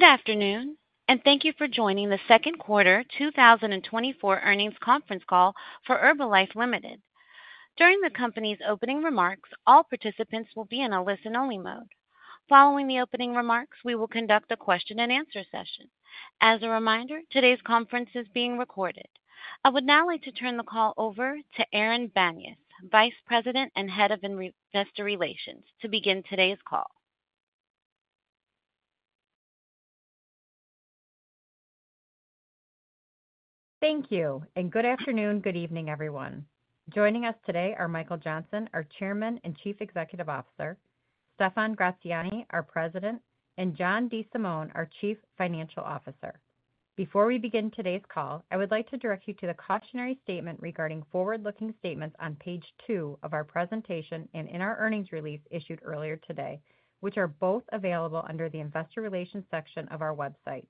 Good afternoon, and thank you for joining the Second Quarter 2024 Earnings Conference Call for Herbalife Limited. During the company's opening remarks, all participants will be in a listen only mode. Following the opening remarks, we will conduct a question-and-answer session. As a reminder, today's conference is being recorded. I would now like to turn the call over to Erin Banyas, Vice President and Head of Investor Relations, to begin today's call. Thank you and good afternoon. Good evening everyone. Joining us today are Michael Johnson, our Chairman and Chief Executive Officer, Stephan Gratziani, our President and John DeSimone, our Chief Financial Officer. Before we begin today's call, I would like to direct you to the cautionary statement regarding forward-looking statements on page 22 of our presentation and in our earnings release issued earlier today, which are both available under the Investor Relations section of our website.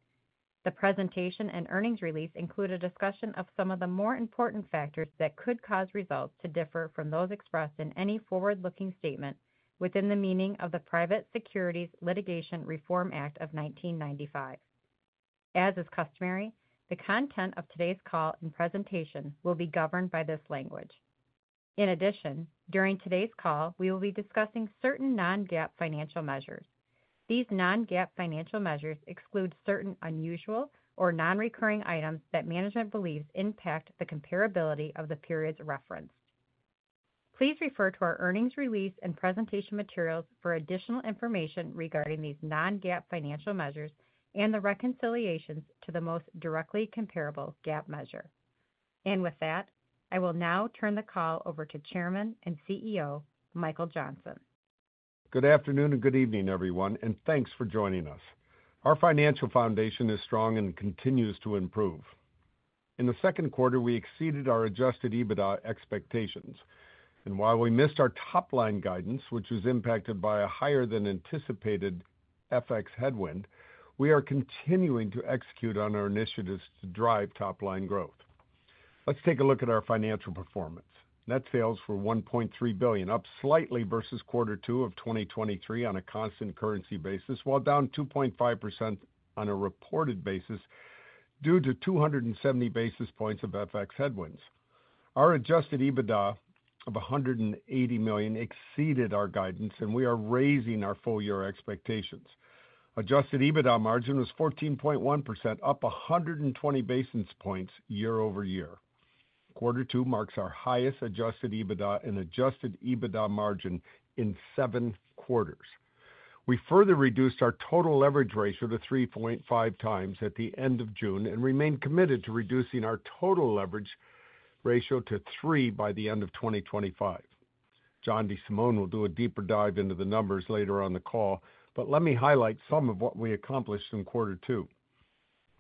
The presentation and earnings release include a discussion of some of the more important factors that could cause results to differ from those expressed in any forward-looking statement within the meaning of the Private Securities Litigation Reform Act of 1995. As is customary, the content of today's call and presentation will be governed by this language. In addition, during today's call we will be discussing certain non-GAAP financial measures. These non-GAAP financial measures exclude certain unusual or nonrecurring items that management believes impact the comparability of the periods referenced. Please refer to our earnings release and presentation materials for additional information regarding these non-GAAP financial measures and the reconciliations to the most directly comparable GAAP measure. With that, I will now turn the call over to Chairman and CEO Michael Johnson. Good afternoon and good evening everyone and thanks for joining us. Our financial foundation is strong and continues to improve. In the second quarter we exceeded our Adjusted EBITDA expectations and while we missed our top line guidance which was impacted by a higher than anticipated FX headwind, we are continuing to execute on our initiatives to drive top line growth. Let's take a look at our financial performance. Net sales for $1.3 billion up slightly versus quarter two of 2023 on a constant currency basis while down 2.5% on a reported basis due to 270 basis points of FX headwinds. Our Adjusted EBITDA of $180 million exceeded our guidance and we are raising our full year expectations. Adjusted EBITDA margin was 14.1% up 120 basis points year-over-year. Quarter two marks our highest Adjusted EBITDA and Adjusted EBITDA margin in seven quarters. We further reduced our total leverage ratio to 3.5x at the end of June. We remain committed to reducing our total leverage ratio to 3x by the end of 2025. John DeSimone will do a deeper dive into the numbers later on the call. Let me highlight some of what we accomplished in quarter two.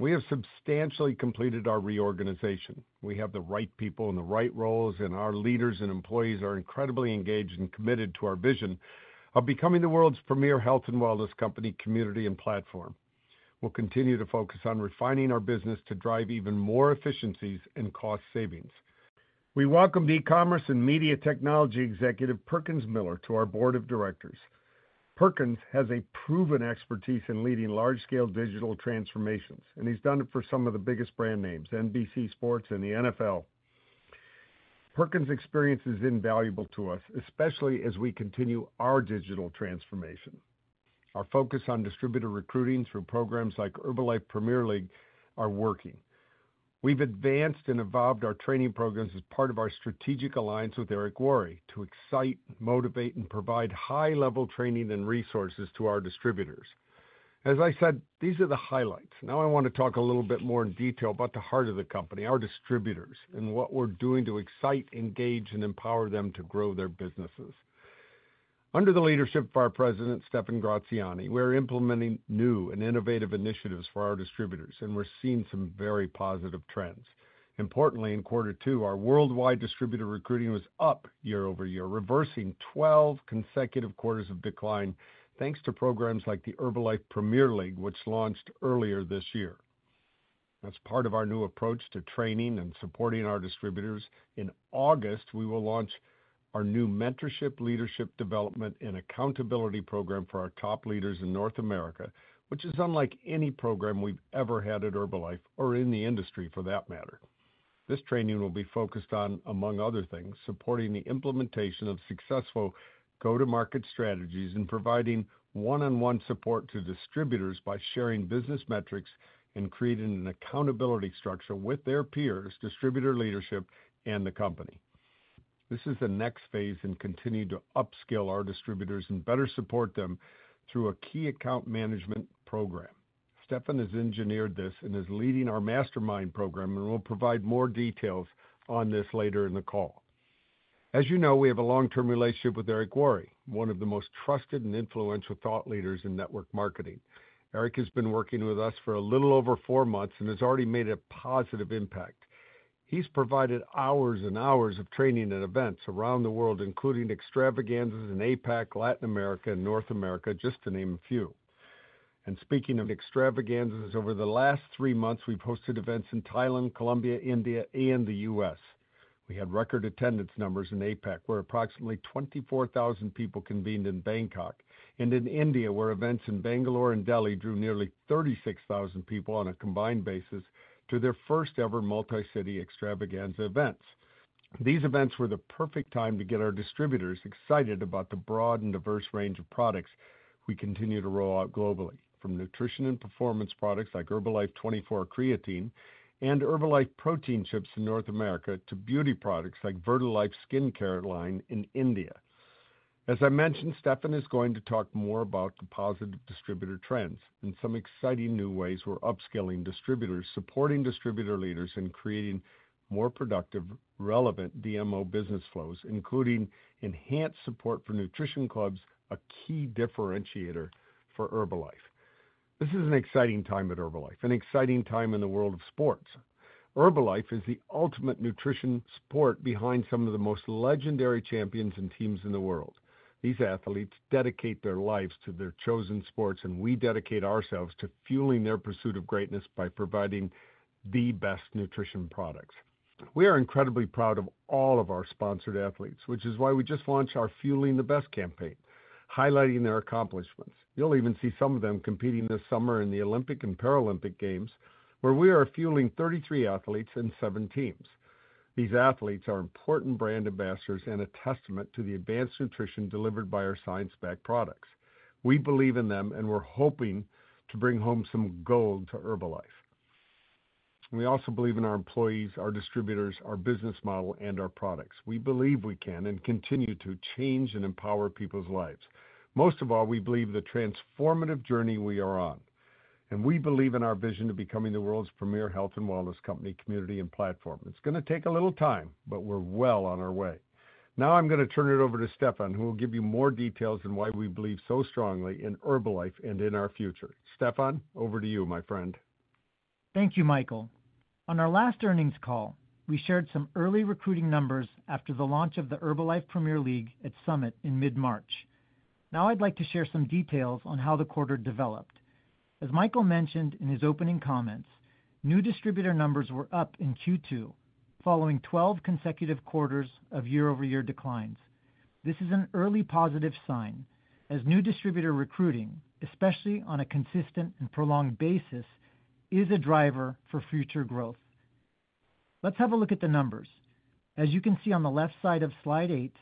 We have substantially completed our reorganization. We have the right people in the right roles, and our leaders and employees are incredibly engaged and committed to our vision of becoming the world's premier health and wellness company, community and platform. We'll continue to focus on refining our business to drive even more efficiencies and cost savings. We welcomed e-commerce and media technology executive Perkins Miller to our board of directors. Perkins has a proven expertise in leading large-scale digital transformations. He's done it for some of the biggest brand names, NBC Sports and the NFL. Perkins' experience is invaluable to us, especially as we continue our digital transformation. Our focus on distributed recruiting through programs like Herbalife Premier League are working. We've advanced and evolved our training programs as part of our strategic alliance with Eric Worre. To excite, motivate and provide high level training and resources to our Distributors. As I said, these are the highlights. Now I want to talk a little bit more in detail about the heart of the company, our Distributors, and what we're doing to excite, engage and empower them to grow their businesses. Under the leadership of our President, Stephan Gratziani, we're implementing new and innovative initiatives for our Distributors. And we're seeing some very positive trends. Importantly, in quarter two, our worldwide Distributor recruiting was up year-over-year, reversing 12 consecutive quarters of decline. Thanks to programs like the Herbalife Premier League. Which launched earlier this year as part of our new approach to training and supporting our Distributors. In August, we will launch our new mentorship. Leadership development and accountability program. For our top leaders in North America. Which is unlike any program we've ever had at Herbalife. Or in the industry for that matter. This training will be focused on, among other things, supporting the implementation of successful go-to-market strategies. And providing one-on-one support to Distributors by sharing business metrics and creating an accountability structure with their peers, Distributor leadership and the company. This is the next phase in continuing to upskill our Distributors and better support them through. Through a key account management program. Stephan has engineered this and is leading our Mastermind program. And will provide more details on this later in the call. As you know, we have a long term relationship with Eric Worre. One of the most trusted and influential thought leaders in network marketing. Eric has been working with us for a little over four months and has already made a positive impact. He's provided hours and hours of training and events around the world. Including extravaganzas in APAC, Latin America and North America, just to name a few. And speaking of extravaganzas, over the last three months, we've hosted events in Thailand, Colombia, India and the U.S. We had record attendance numbers in APAC where approximately 24,000 people convened in Bangkok. And in India, where events in Bangalore and Delhi drew nearly 36,000 people on a combined basis to their first ever multi-city extravaganza events. These events were the perfect time to get our Distributors excited about the broad and diverse range of products we continue to roll out globally. From nutrition and performance products like Herbalife24 Creatine and Herbalife Protein Chips in North America. To beauty products like Vritilife skin care line in India. As I mentioned, Stephan is going to talk more about the positive Distributor trends and some exciting new ways. We're upskilling Distributors, supporting Distributor leaders and creating more productive, relevant DMO business flows. Including in enhanced support for Nutrition Clubs, a key differentiator for Herbalife. This is an exciting time at Herbalife. An exciting time in the world of sports. Herbalife is the ultimate nutrition sport. Behind some of the most legendary champions and teams in the world. These athletes dedicate their lives to their chosen sports. We dedicate ourselves to fueling their pursuit of greatness by providing the best nutrition products. We are incredibly proud of all of our sponsored athletes, which is why we just launched our Fueling the Best campaign, highlighting their accomplishments. You'll even see some of them competing this summer in the Olympic and Paralympic Games, where we are fueling 33 athletes and seven teams. These athletes are important brand ambassadors and a testament to the advanced nutrition delivered by our science-backed products. We believe in them, and we're hoping to bring home some gold to Herbalife. We also believe in our employees, our Distributors, our business model and our products. We believe we can and continue to change and empower people's lives. Most of all, we believe the transformative journey we are on. We believe in our vision of becoming the world's premier health and wellness company, community and platform. It's going to take a little time, but we're well on our way now. I'm going to turn it over to Stephan, who will give you more details on why we believe so strongly in Herbalife and in our future. Stephan, over to you, my friend. Thank you, Michael. On our last earnings call, we shared some early recruiting numbers. After the launch of the Herbalife Premier League at Summit in mid-March. Now I'd like to share some details on how the quarter developed. As Michael mentioned in his opening comments, new Distributor numbers were up in Q2 following 12 consecutive quarters of year-over-year declines. This is an early positive sign as new Distributor recruiting, especially on a consistent and prolonged basis, is a driver for future growth. Let's have a look at the numbers. As you can see on the left side of slide eight,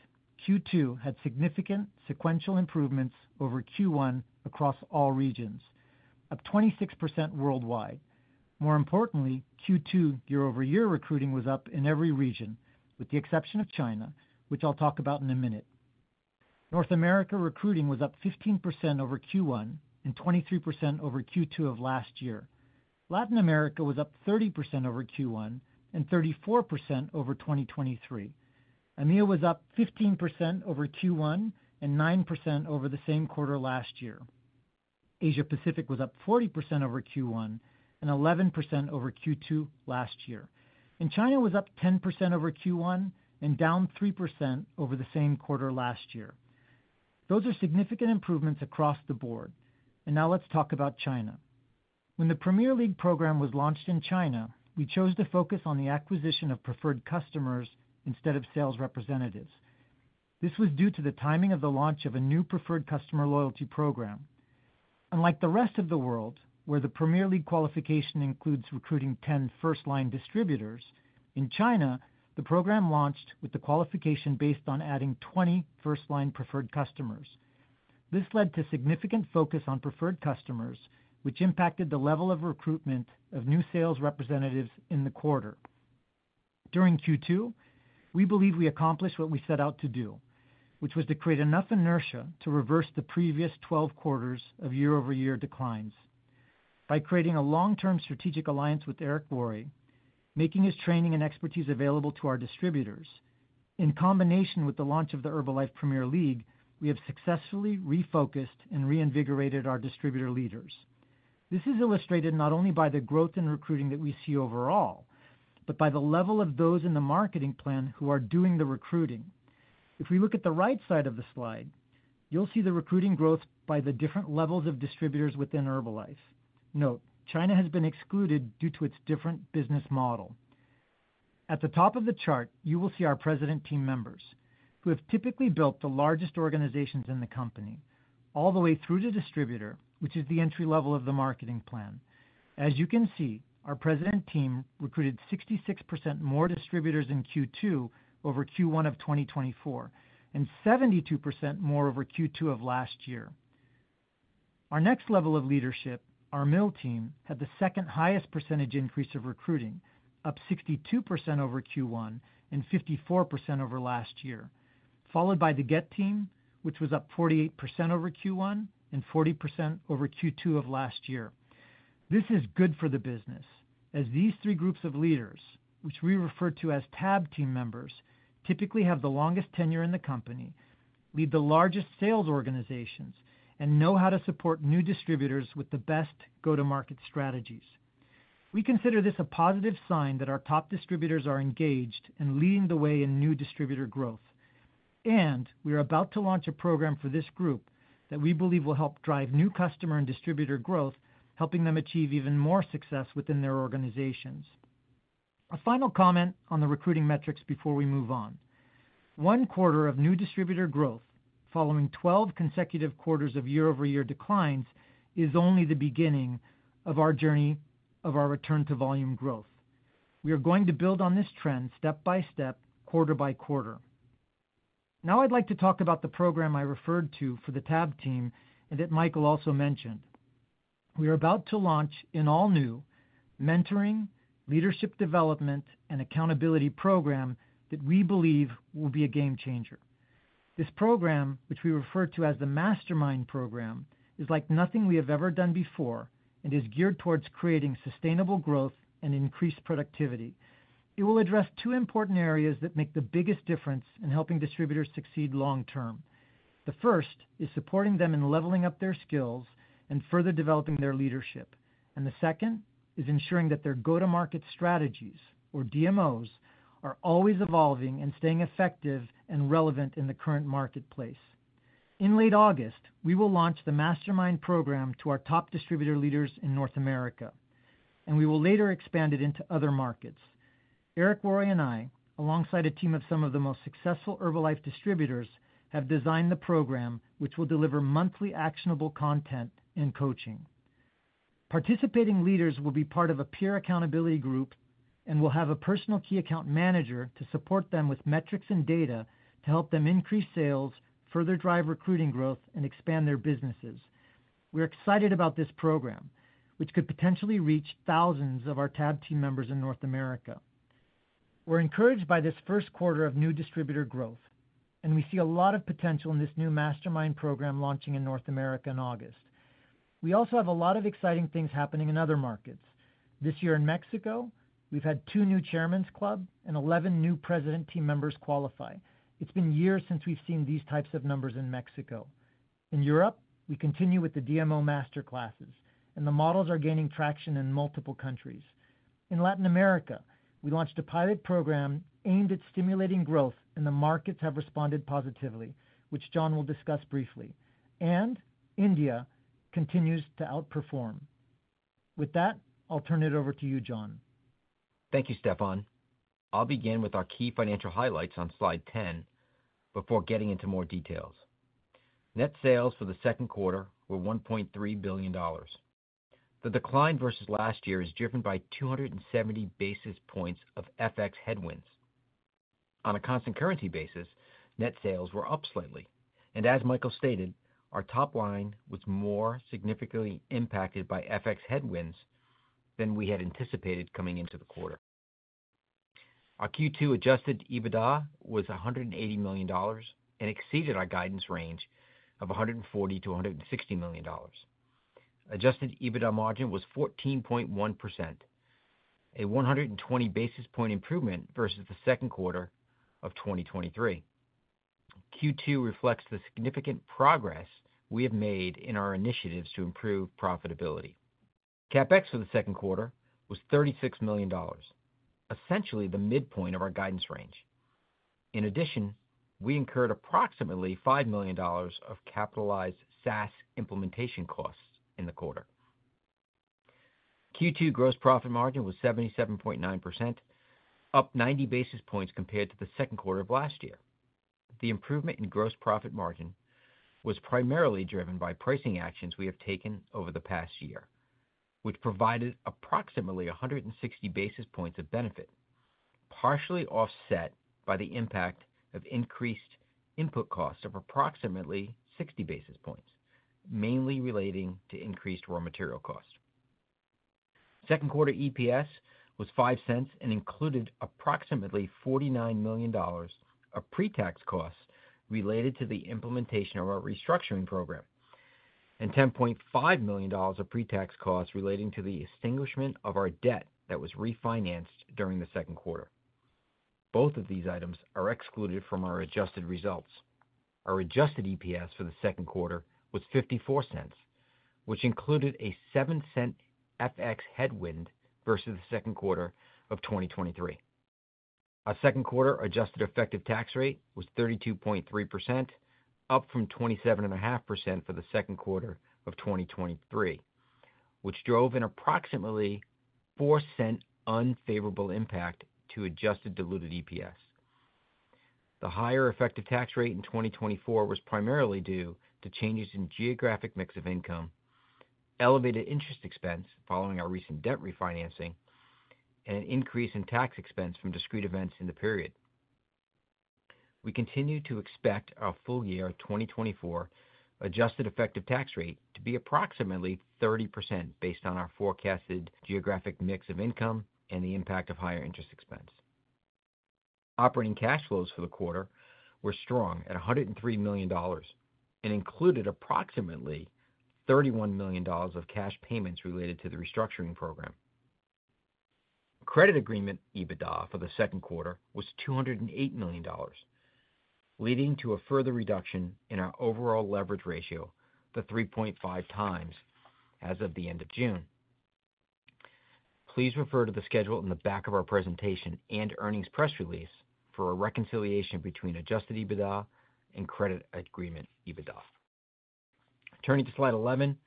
Q2 had significant sequential improvements over Q1 across all regions, up 26% worldwide. More importantly, Q2, year-over-year, recruiting was up in every region with the exception of China, which I'll talk about in a minute. North America recruiting was up 15% over Q1 and 23% over Q2 of last year. Latin America was up 30% over Q1 and 34% over 2023. EMEA was up 15% over Q1 and 9% over the same quarter last year. Asia Pacific was up 40% over Q1 and 11% over Q2 of last year. China was up 10% over Q1 and down 3% over the same quarter last year. Those are significant improvements across the board. Now let's talk about China. When the Premier League program was launched in China, we chose to focus on the acquisition Preferred Customers instead of sales representatives. This was due to the timing of the launch of a new Preferred Customer loyalty program. Unlike the rest of the world where the Premier League qualification includes recruiting 10 first line Distributors in China, the program launched with the qualification based on adding 20 first Preferred Customers. this led to significant focus Preferred Customers, which impacted the level of recruitment of new sales representatives in the quarter. During Q2, we believe we accomplished what we set out to do, which was to create enough inertia to reverse the previous 12 quarters of year-over-year declines by creating a long-term strategic alliance with Eric Worre, making his training and expertise available to our Distributors. In combination with the launch of the Herbalife Premier League, we have successfully refocused and reinvigorated our Distributor leaders. This is illustrated not only by the growth in recruiting that we see overall, but by the level of those in the marketing plan who are doing the recruiting. If we look at the right side of the slide, you'll see the recruiting growth by the different levels of Distributors within Herbalife. China has been excluded due to its different business model. At the top of the chart, you will see our President Team members who have typically built the largest organizations in the company all the way through to Distributor, which is the entry level of the marketing plan as you can see, our President Team recruited 66% more Distributors in Q2 over Q1 of 2024 and 72% more over Q2 of last year. Our next level of leadership, our Millionaire Team had the second highest percentage increase of recruiting, up 62% over Q1 and 54% over last year. Followed by the GET Team which was up 48% over Q1 and 40% over Q2 of last year. This is good for the business as these three groups of leaders, which we refer to as TAB Team members, typically have the longest tenure in the company, lead the largest sales organizations and know how to support new Distributors with the best go to market strategies. We consider this a positive sign that our top Distributors are engaged and leading the way in new Distributor growth. We are about to launch a program for this group that we believe will help drive new customer and Distributor growth, helping them achieve even more success within their organizations. A final comment on the recruiting metrics before we move on. 25% of new Distributor growth following 12 consecutive quarters of year-over-year declines is only the beginning of our journey of our return to volume growth. We are going to build on this trend step by step, quarter-by-quarter. Now I'd like to talk about the program I referred to for the TAB Team and that Michael also mentioned. We are about to launch an all-new mentoring, leadership development and accountability program that we believe will be a game-changer. This program, which we refer to as the Mastermind program, is like nothing we have ever done before and is geared towards creating sustainable growth and increased productivity. It will address two important areas that make the biggest difference in helping Distributors succeed long term. The first is supporting them in leveling up their skills and further developing their leadership and the second is ensuring that their go to market strategies or DMOs are always evolving and staying effective and relevant in the current marketplace. In late August, we will launch the Mastermind program to our top Distributor leaders in North America and we will later expand it into other markets. Eric Worre and I, alongside a team of some of the most successful Herbalife Distributors, have designed the program which will deliver monthly actionable content and coaching. Participating leaders will be part of a peer accountability group and will have a personal key account manager to support them with metrics and data to help them increase sales, further drive recruiting growth and expand their businesses. We're excited about this program which could potentially reach thousands of our TAB Team members in North America. We're encouraged by this first quarter of new Distributor growth and we see a lot of potential in this new Mastermind program launching in North America in August. We also have a lot of exciting things happening in other markets this year. In Mexico, we've had two new Chairman's Club and 11 new President Team members qualify. It's been years since we've seen these types of numbers in Mexico. In Europe, we continue with the DMO Masterclasses and the models are gaining traction in multiple countries. In Latin America, we launched a pilot program aimed at stimulating growth and the markets have responded positively, which John will discuss briefly, and India continues to outperform with that. I'll turn it over to you, John. Thank you, Stephan. I'll begin with our key financial highlights on slide 10 before getting into more details. Net sales for the second quarter were $1.3 billion. The decline versus last year is driven by 270 basis points of FX headwinds. On a constant currency basis, net sales were up slightly and as Michael stated, our top line was more significantly impacted by FX headwinds than we had anticipated. Coming into the quarter, our Q2 Adjusted EBITDA was $180 million and exceeded our guidance range of $140 million-$160 million. Adjusted EBITDA margin was 14.1%, a 120 basis point improvement versus the second quarter of 2023. Q2 reflects the significant progress we have made in our initiatives to improve profitability. CapEx for the second quarter was $36 million, essentially the midpoint of our guidance range. In addition, we incurred approximately $5 million of capitalized SaaS implementation costs in the quarter. Q2 gross profit margin was 77.9%, up 90 basis points compared to the second quarter of last year. The improvement in gross profit margin was primarily driven by pricing actions we have taken over the past year which provided approximately 160 basis points of benefit, partially offset by the impact of increased input costs of approximately 60 basis points, mainly relating to increased raw material cost. Second quarter EPS was $0.05 and included approximately $49 million of pre-tax costs related to the implementation of our restructuring program and $10.5 million of pre-tax costs relating to the extinguishment of our debt that was refinanced during the second quarter. Both of these items are excluded from our adjusted results. Our Adjusted EPS for the second quarter was $0.54, which included a $0.07 FX headwind versus the second quarter of 2023. Our second quarter adjusted effective tax rate was 32.3%, up from 27.5% for the second quarter of 2023 which drove an approximately $0.04 unfavorable impact to adjusted diluted EPS. The higher effective tax rate in 2024 was primarily due to changes in geographic mix of income, elevated interest expense. Following our recent debt refinancing and an increase in tax expense from discrete events in the period, we continue to expect our full year 2024 adjusted effective tax rate to be approximately 30% based on our forecasted geographic mix of income and the impact of higher interest expense. Operating cash flows for the quarter were strong at $103 million and included approximately $31 million of cash payments related to the restructuring program. Credit Agreement EBITDA for the second quarter was $208 million, leading to a further reduction in our overall leverage ratio. The 3.5x as of the end of June. Please refer to the schedule in the back of our presentation and earnings press release for a reconciliation between Adjusted EBITDA and Credit Agreement EBITDA. Turning to slide 11,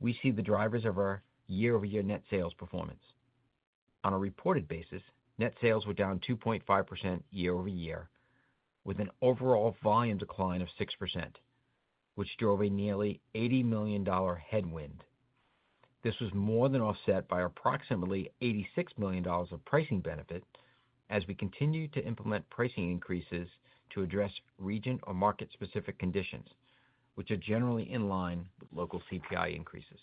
we see the drivers of our year-over-year net sales performance on a reported basis. Net sales were down 2.5% year-over-year with an overall volume decline of 6% which drove a nearly $80 million headwind. This was more than offset by approximately $86 million of pricing benefit as we continue to implement pricing increases to address region or market specific conditions which are generally in line with local CPI increases.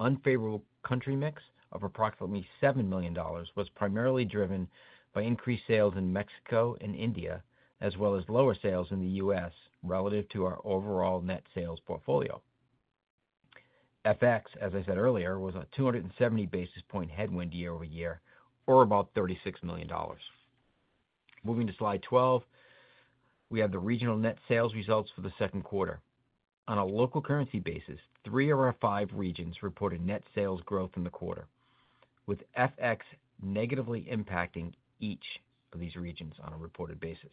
Unfavorable country mix of approximately $7 million was primarily driven by increased sales in Mexico and India as well as lower sales in the U.S. Relative to our overall net sales portfolio, FX, as I said earlier, was a 270 basis points headwind year-over-year, over or about $36 million. Moving to Slide 12, we have the regional net sales results for the second quarter on a local currency basis. Three of our five regions reported net sales growth in the quarter with FX negatively impacting each of these regions on a reported basis.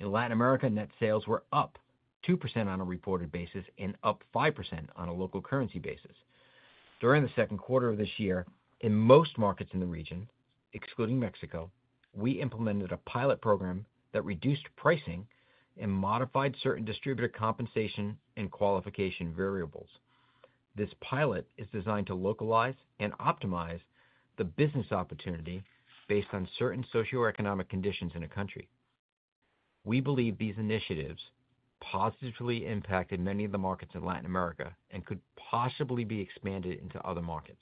In Latin America, net sales were up 2% on a reported basis and up 5% on a local currency basis during the second quarter of this year in most markets in the region excluding Mexico. We implemented a pilot program that reduced pricing and modified certain Distributor compensation and qualification variables. This pilot is designed to localize and optimize the business opportunity based on certain socioeconomic conditions in a country. We believe these initiatives positively impacted many of the markets in Latin America and could possibly be expanded into other markets.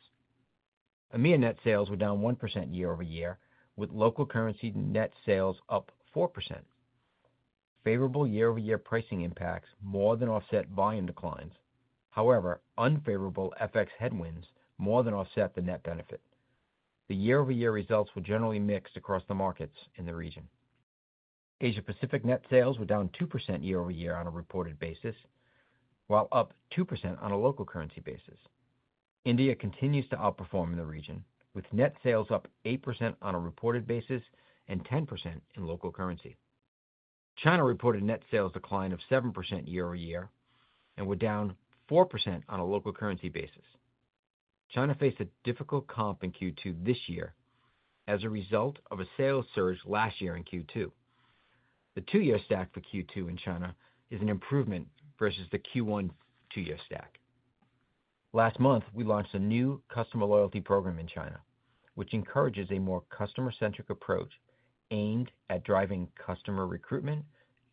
EMEA net sales were down 1% year-over-year with local currency net sales up 4% favorable year-over-year pricing impacts more than offset volume declines. However, unfavorable FX headwinds more than offset the net benefit, the year-over-year results were generally mixed across the markets in the region. Asia Pacific net sales were down 2% year-over-year on a reported basis while up 2% on a local currency basis. India continues to outperform in the region with net sales up 8% on a reported basis and 10% in local currency. China reported net sales decline of 7% year-over-year and were down 4% on a local currency basis. China faced a difficult comp in Q2 this year as a result of a sales surge last year in Q2. The two year stack for Q2 in China is an improvement versus the Q1 two year stack. Last month we launched a new customer loyalty program in China which encourages a more customer centric approach aimed at driving customer recruitment,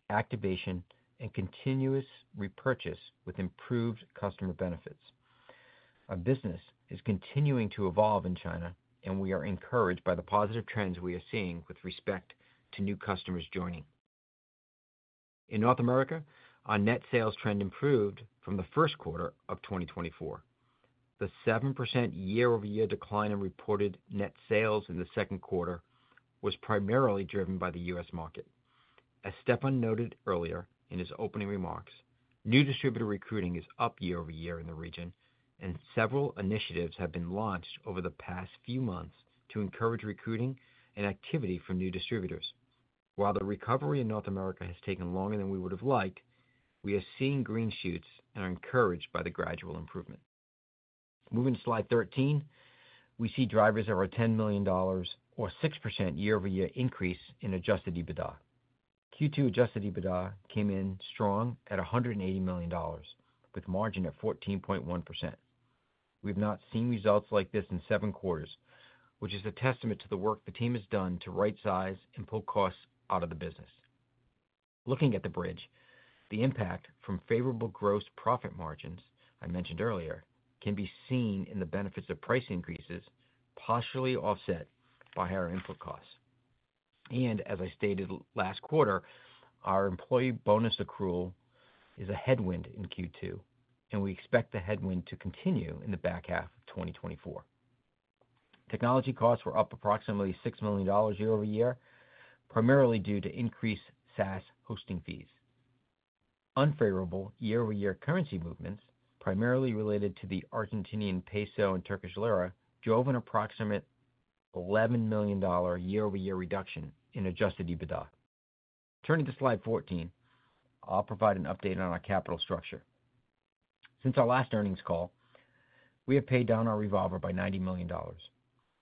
activation and continuous repurchase with improved customer benefits. Our business is continuing to evolve in China and we are encouraged by the positive trends we are seeing with respect to new customers joining in North America. Our net sales trend improved from the first quarter of 2024. The 7% year-over-year decline in reported net sales in the second quarter was primarily driven by the U.S. market. As Stephan noted earlier in his opening remarks, new Distributor recruiting is up year-over-year in the region and several initiatives have been launched over the past few months to encourage recruiting and activity from new Distributors. While the recovery in North America has taken longer than we would have liked, we are seeing green shoots and are encouraged by the gradual improvement. Moving to slide 13 we see drivers of our $10 million or 6% year-over-year increase in Adjusted EBITDA. Q2 Adjusted EBITDA came in strong at $180 million with margin at 14.1%. We have not seen results like this in seven quarters, which is a testament to the work the team has done to right-size and pull costs out of the business. Looking at the bridge, the impact from favorable gross profit margins I mentioned earlier can be seen in the benefits of price increases partially offset by higher input costs. As I stated last quarter, our employee bonus accrual is a headwind in Q2 and we expect the headwind to continue in the back half of 2024. Technology costs were up approximately $6 million year-over-year primarily due to increased SaaS hosting fees. Unfavorable year-over-year currency movements primarily related to the Argentine Peso and Turkish Lira drove an approximate $11 million year-over-year reduction in Adjusted EBITDA. Turning to Slide 14, I'll provide an update on our capital structure since our last earnings call, we have paid down our revolver by $90 million.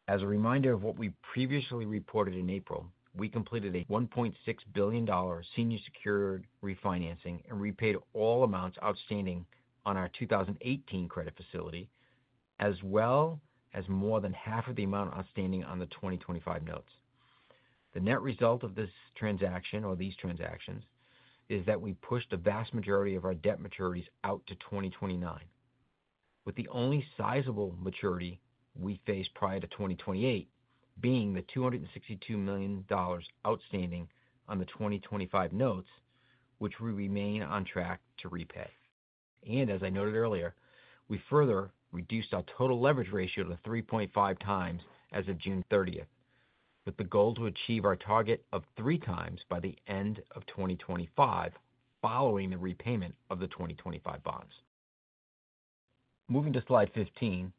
As a reminder of what we previously reported in April, we completed a $1.6 billion senior secured revolving refinancing and repaid all amounts outstanding on our 2018 credit facility as well as more than half of the amount outstanding on the 2025 notes. The net result of this transaction or these transactions is that we pushed the vast majority of our debt maturities out to 2029, with the only sizable maturity we faced prior to 2028 being the $262 million outstanding on the 2025 notes, which we remain on track to repay. As I noted earlier, we further reduced our total leverage ratio to 3.5x as of June 30th with the goal to achieve our target of 3x by the end of 2025 following the repayment of the 2025 bonds. Moving to Slide 15,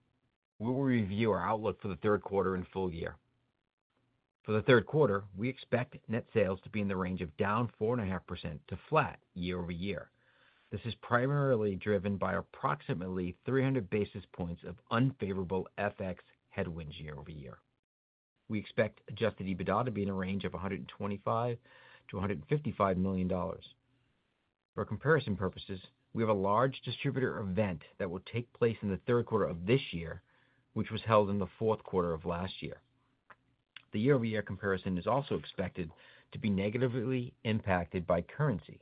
we will review our outlook for the third quarter and full year. For the third quarter, we expect net sales to be in the range of down 4.5% to flat year-over-year. This is primarily driven by approximately 300 basis points of unfavorable FX headwinds. Year-over-year. We expect Adjusted EBITDA to be in a range of $125 million-$155 million. For comparison purposes, we have a large Distributor event that will take place in the third quarter of this year, which was held in the fourth quarter of last year. The year-over-year comparison is also expected to be negatively impacted by currency,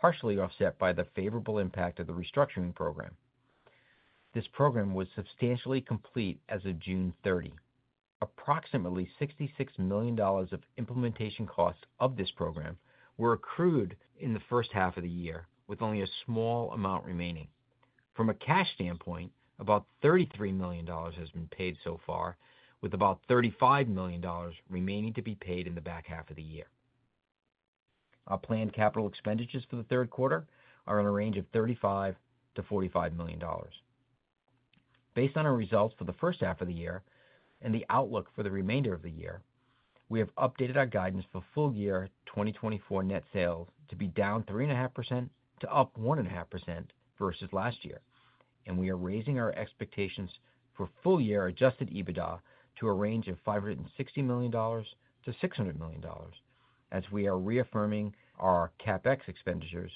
partially offset by the favorable impact of the Restructuring program. This program was substantially complete as of June 30th. Approximately $66 million of implementation costs of this program were accrued in the first half of the year with only a small amount remaining. From a cash standpoint, about $33 million has been paid so far, with about $35 million remaining to be paid in the back half of the year. Our planned capital expenditures for the third quarter are in a range of $35 million-$45 million. Based on our results for the first half of the year and the outlook for the remainder of the year, we have updated our guidance for full year 2024. Net sales to be down 3.5%-up 1.5% versus last year and we are raising our expectations for full year Adjusted EBITDA to a range of $560 million-$600 million as we are reaffirming our CapEx expenditures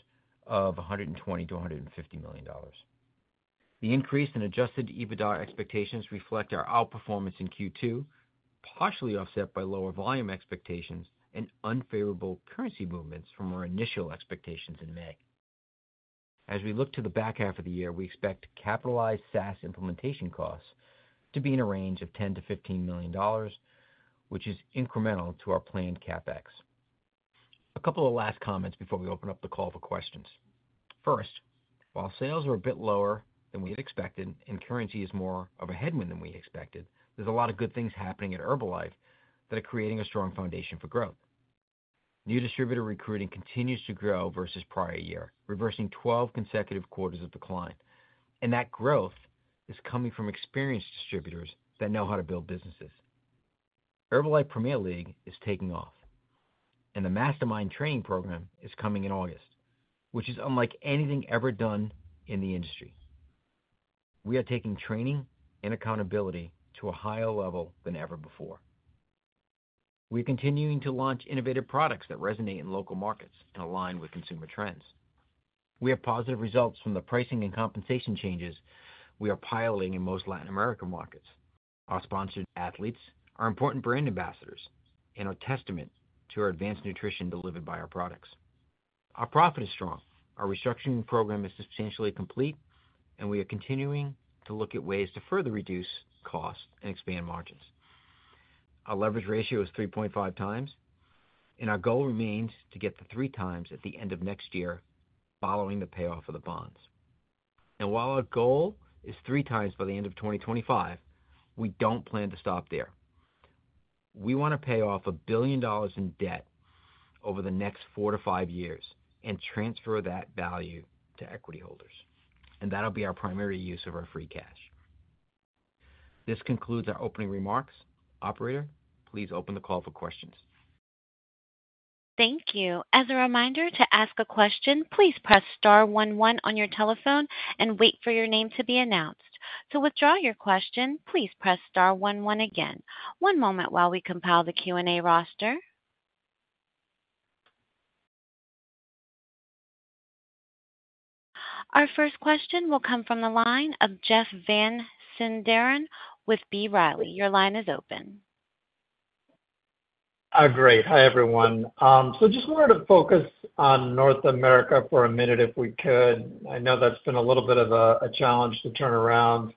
of $120 million-$150 million. The increase in Adjusted EBITDA expectations reflect our outperformance in Q2, partially offset by lower volume expectations and unfavorable currency movements from our initial expectations in May. As we look to the back half of the year, we expect capitalized SaaS implementation costs to be in a range of $10 million-$15 million, which is incremental to our planned CapEx. A couple of last comments before we open up the call for questions. First, while sales are a bit lower than we had expected and currency is more of a headwind than we expected, there's a lot of good things happening at Herbalife that are creating a strong foundation for growth. New Distributor recruiting continues to grow versus prior year, reversing 12 consecutive quarters of decline. And that growth is coming from experienced Distributors that know how to build businesses. Herbalife Premier League is taking off. And the Mastermind training program is coming in August, which is unlike anything ever done in the industry. We are taking training and accountability to a higher level than ever before. We are continuing to launch innovative products that resonate in local markets and align with consumer trends. We have positive results from the pricing and compensation changes we are piloting in most Latin American markets. Our sponsored athletes are important brand ambassadors and are testament to our advanced nutrition delivered by our products. Our profit is strong. Our restructuring program is substantially complete, and we are continuing to look at ways to further reduce cost and expand margins. Our leverage ratio is 3.5x, and our goal remains to get to 3x at the end of next year following the payoff of the bonds. While our goal is 3x by the end of 2025, we don't plan to stop there. We want to pay off $1 billion in debt over the next four to five years and transfer that value to equity holders. That will be our primary use of our free cash. This concludes our opening remarks. Operator, please open the call for questions. Thank you. As a reminder to ask a question, please press star one one on your telephone and wait for your name to be announced. To withdraw your question, please press star one one again. One moment while we compile the Q&A roster. Our first question will come from the line of Jeff Van Sinderen with B. Riley. Your line is open. Great. Hi, everyone. So, just wanted to focus on North America for a minute, if we could. I know that's been a little bit of a challenge to turn around,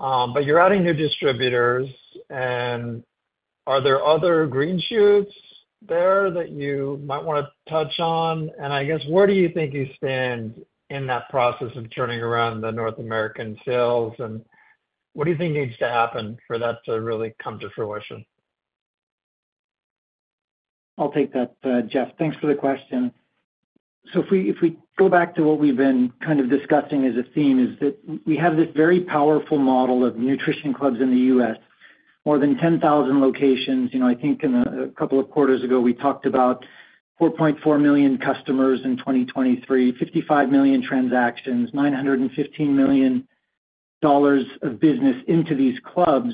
but you're adding new Distributors, and are there other green shoots there that you might want to touch on? And I guess, where do you think you stand in that process of turning around the North American sales. And what do you think needs to happen for that to really come to fruition? I'll take that, Jeff. Thanks for the question. So if we go back to what we've been kind of discussing as a theme is that we have this very powerful model of Nutrition Clubs in the U.S., more than 10,000 locations. You know, I think in a couple of quarters ago we talked about 4.4 million customers in 2023, 55 million transactions, $915 million of business into these clubs.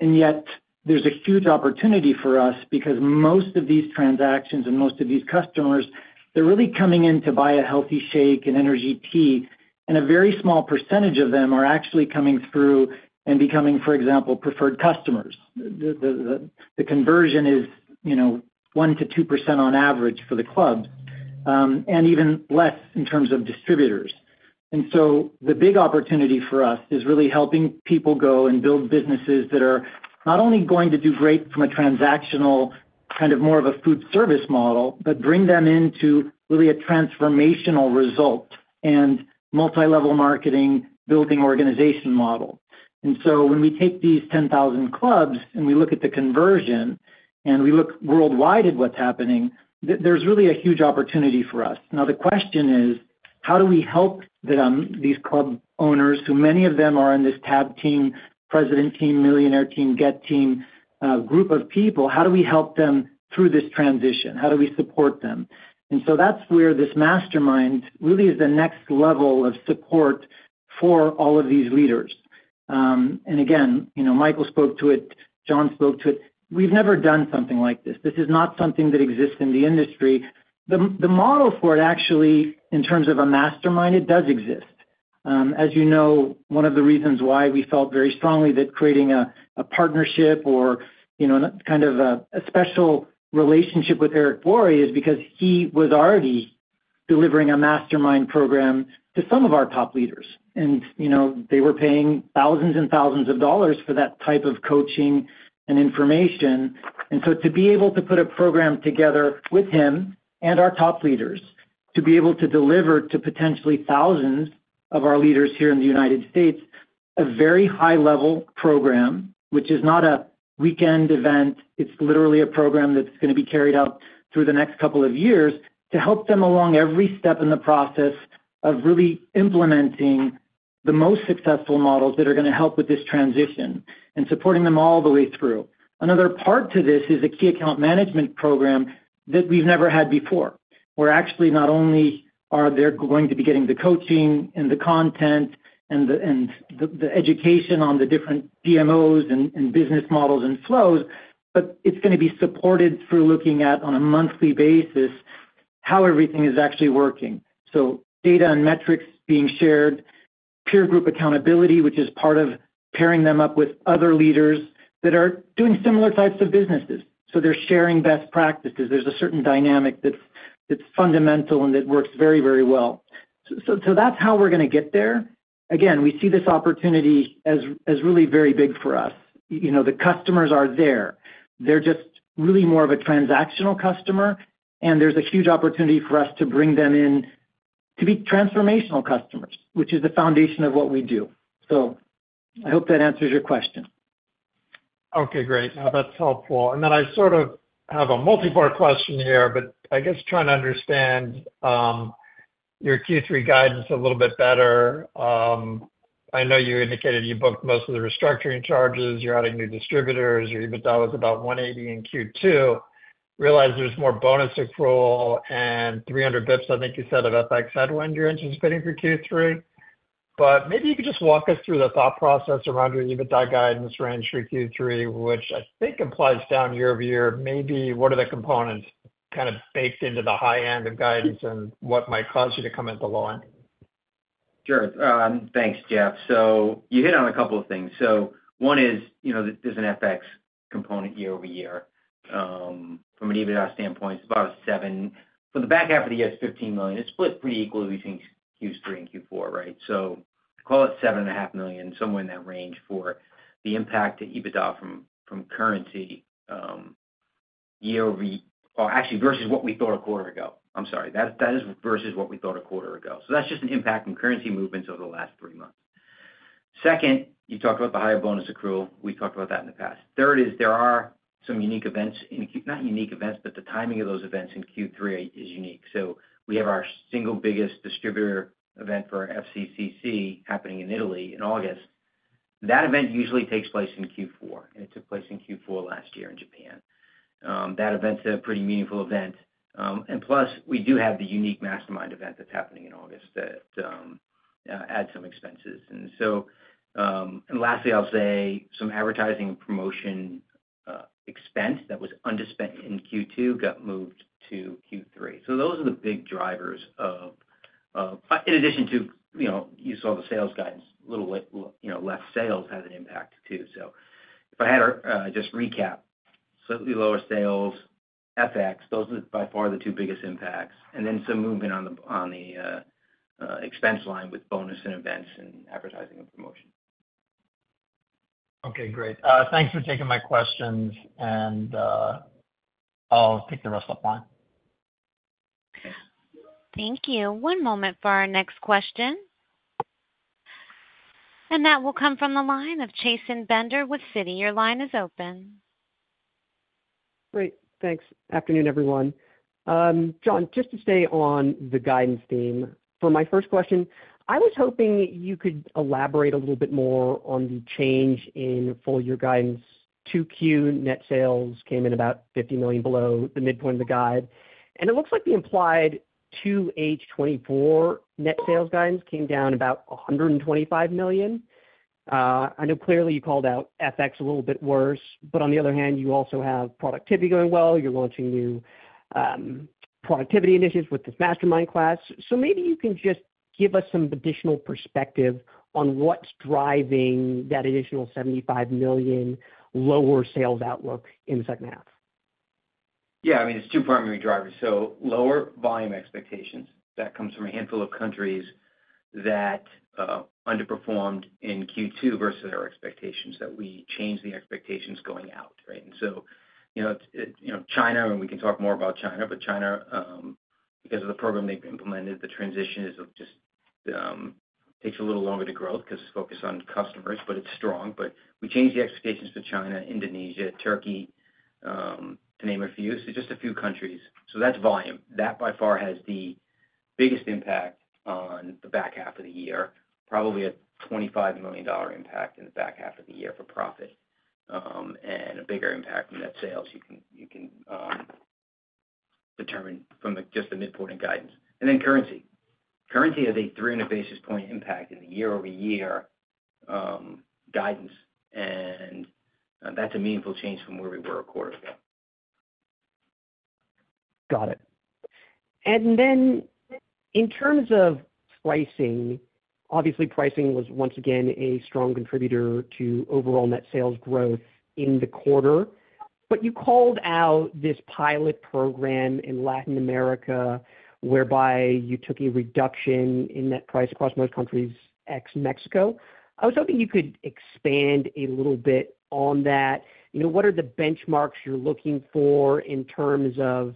And yet there's a huge opportunity for us because most of these transactions and most of these customers, they're really coming in to buy a healthy shake and energy tea. And a very small percentage of them are actually coming through and becoming, for Preferred Customers. the conversion is 1%-2% on average for the clubs and even less in terms of Distributors. And so the big opportunity for us is really helping people go and build businesses that are not only going to do great from a transactional kind of more of a food service model, but bring them into really a transformational result and multilevel marketing, building, organization model. And so when we take these 10,000 clubs and we look at the conversion and we look worldwide at what's happening, there's really a huge opportunity for us. Now the question is, how do we help these club owners who many of them are in this TAB Team, President Team, Millionaire Team, GET Team, group of people, how do we help them through this transition, how do we support them? And so that's where this Mastermind really is, the next level of support for all of these leaders. And again, Michael spoke to it, John spoke to it. We've never done something like this. This is not something that exists in the industry. The model for it actually in terms of a Mastermind, it does exist as you know, one of the reasons why we felt very strongly that creating a partnership or kind of a special relationship with Eric Worre is because he was already delivering a Mastermind program to some of our top leaders and they were paying thousands and thousands of dollars for that type of coaching and information. And so to be able to put a program together with him and our top leaders, to be able to deliver to potentially thousands of our leaders here in the United States, a very high level program which is not a weekend event. It's literally a program that's going to be carried out through the next couple of years to help them along every step in the process of really implementing the most successful models that are going to help with this transition and supporting them all the way through. Another part to this is a key account management program that we've never had before, where actually not only are they going to be getting the coaching and the content and the education on the different DMOs and business models and flows, but it's going to be supported through looking at on a monthly basis how everything is actually working. So data and metrics being shared, peer group accountability, which is part of pairing them up with other leaders that are doing similar types of businesses. So they're sharing best practices. There's a certain dynamic that's fundamental and that works very, very well. So that's how we're going to get there. Again, we see this opportunity as really very big for us. You know, the customers are there, they're just really more of a transactional customer and there's a huge opportunity for us to bring them in to be transformational customers, which is the foundation of what we do. So I hope that answers your question. Okay, great, that's helpful. And then I sort of have a multi-part question here. But I guess trying to understand your Q3 guidance a little bit better. I know you indicated you booked most of the restructuring charges. You're adding new Distributors, your EBITDA was about 180 in Q2. Realize there's more bonus accrual and 300 basis points, I think you said, of FX headwind you're anticipating for Q3. But maybe you could just walk us through the thought process around your EBITDA guidance range for Q3, which I think applies down year-over-year. Maybe, what are the components, kind of baked into the high end of guidance and what might cause you to come into low end? Sure. Thanks, Jeff. So you hit on a couple of things. So one is there's an FX component year-over-year. From an EBITDA standpoint, it's about $7 million. For the back half of the year, it's $15 million. It's split pretty equally between Q3 and Q4. Right. So call it $7.5 million somewhere in that range for the impact to EBITDA from. From currency year-over-year actually versus what we thought a quarter ago. I'm sorry, that is. Versus what we thought a quarter ago. So that's just an impact on currency movements over the last three months. Second, you talked about the higher bonus accrual. We talked about that in the past. Third is there are some unique events. Not unique events, but the timing of those events in Q3 is unique. So we have our single biggest Distributor event for FCCC happening in Italy, in August. That event usually takes place in Q4 and it took place in Q4 last year in Japan. That event's a pretty meaningful event. And plus we do have the unique Mastermind event that's happening in August that adds some expenses. And lastly, I'll say some advertising, promotion, expense that was undisputed in Q2 got moved to Q3. So those are the big drivers of. In addition to, you know, you saw the sales guidance a little, you know, less sales had an impact too. So if I had to just recap, slightly lower sales FX, those are by far the two biggest impacts. And then some movement on the expense line with bonus and events and advertising and promotion. Okay, great. Thanks for taking my questions and I'll take the rest up line. Thank you. One moment for our next question. That will come from the line of Chasen Bender with Citi. Your line is open. Great, thanks. Afternoon everyone. John, just to stay on the guidance theme for my first question, I was hoping you could elaborate a little bit more on the change in full year guidance. 2Q net sales came in about $50 million below the midpoint of the guide. It looks like the implied 2H 2024 net sales guidance came down about $125 million. I know clearly you called out FX a little bit worse. But on the other hand, you also have productivity going well. You're launching new productivity initiatives with this Mastermind class. So maybe you can just give us some additional perspective on what's driving that additional $75 million lower sales outlook in the second half. Yeah, I mean it's two primary drivers. So lower volume expectations that comes from a handful of countries that underperformed in Q2 versus our expectations that we changed the expectations going out. So China, and we can talk more about China, but China, because of the program they've implemented, the transition is just takes a little longer to grow because it's focused on customers, but it's strong. But we changed the expectations for China, Indonesia, Turkey to name a few. So just a few countries. So that's volume that by far has the biggest impact on the back half of the year. Probably a $25 million impact in the back half of the year for profit and a bigger impact in net sales. You can determine from just the midpoint guidance. Then currency, currency has a 300 basis points impact in the year-over-year guidance and that's a meaningful change from where we were a quarter ago. Got it. And then in terms of pricing, obviously pricing was once again a strong contributor to overall net sales growth in the quarter. But you called out this pilot program in Latin America whereby you took a reduction in net price across most countries, ex-Mexico. I was hoping you could expand a little bit on that. What are the benchmarks you are looking for in terms of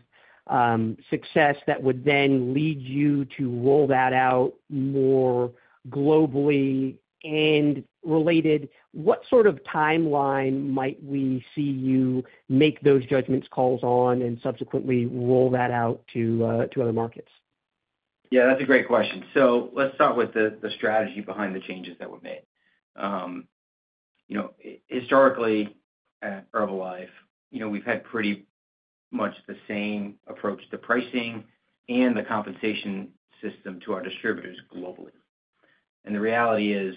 success that would then lead you to roll that out more globally and related? What sort of timeline might we see you make those judgment calls on and subsequently roll that out to other markets? Yeah, that's a great question. So let's start with the strategy behind the changes that were made. Historically at Herbalife, we've had pretty much the same approach to pricing. And the compensation system to our Distributors globally. And the reality is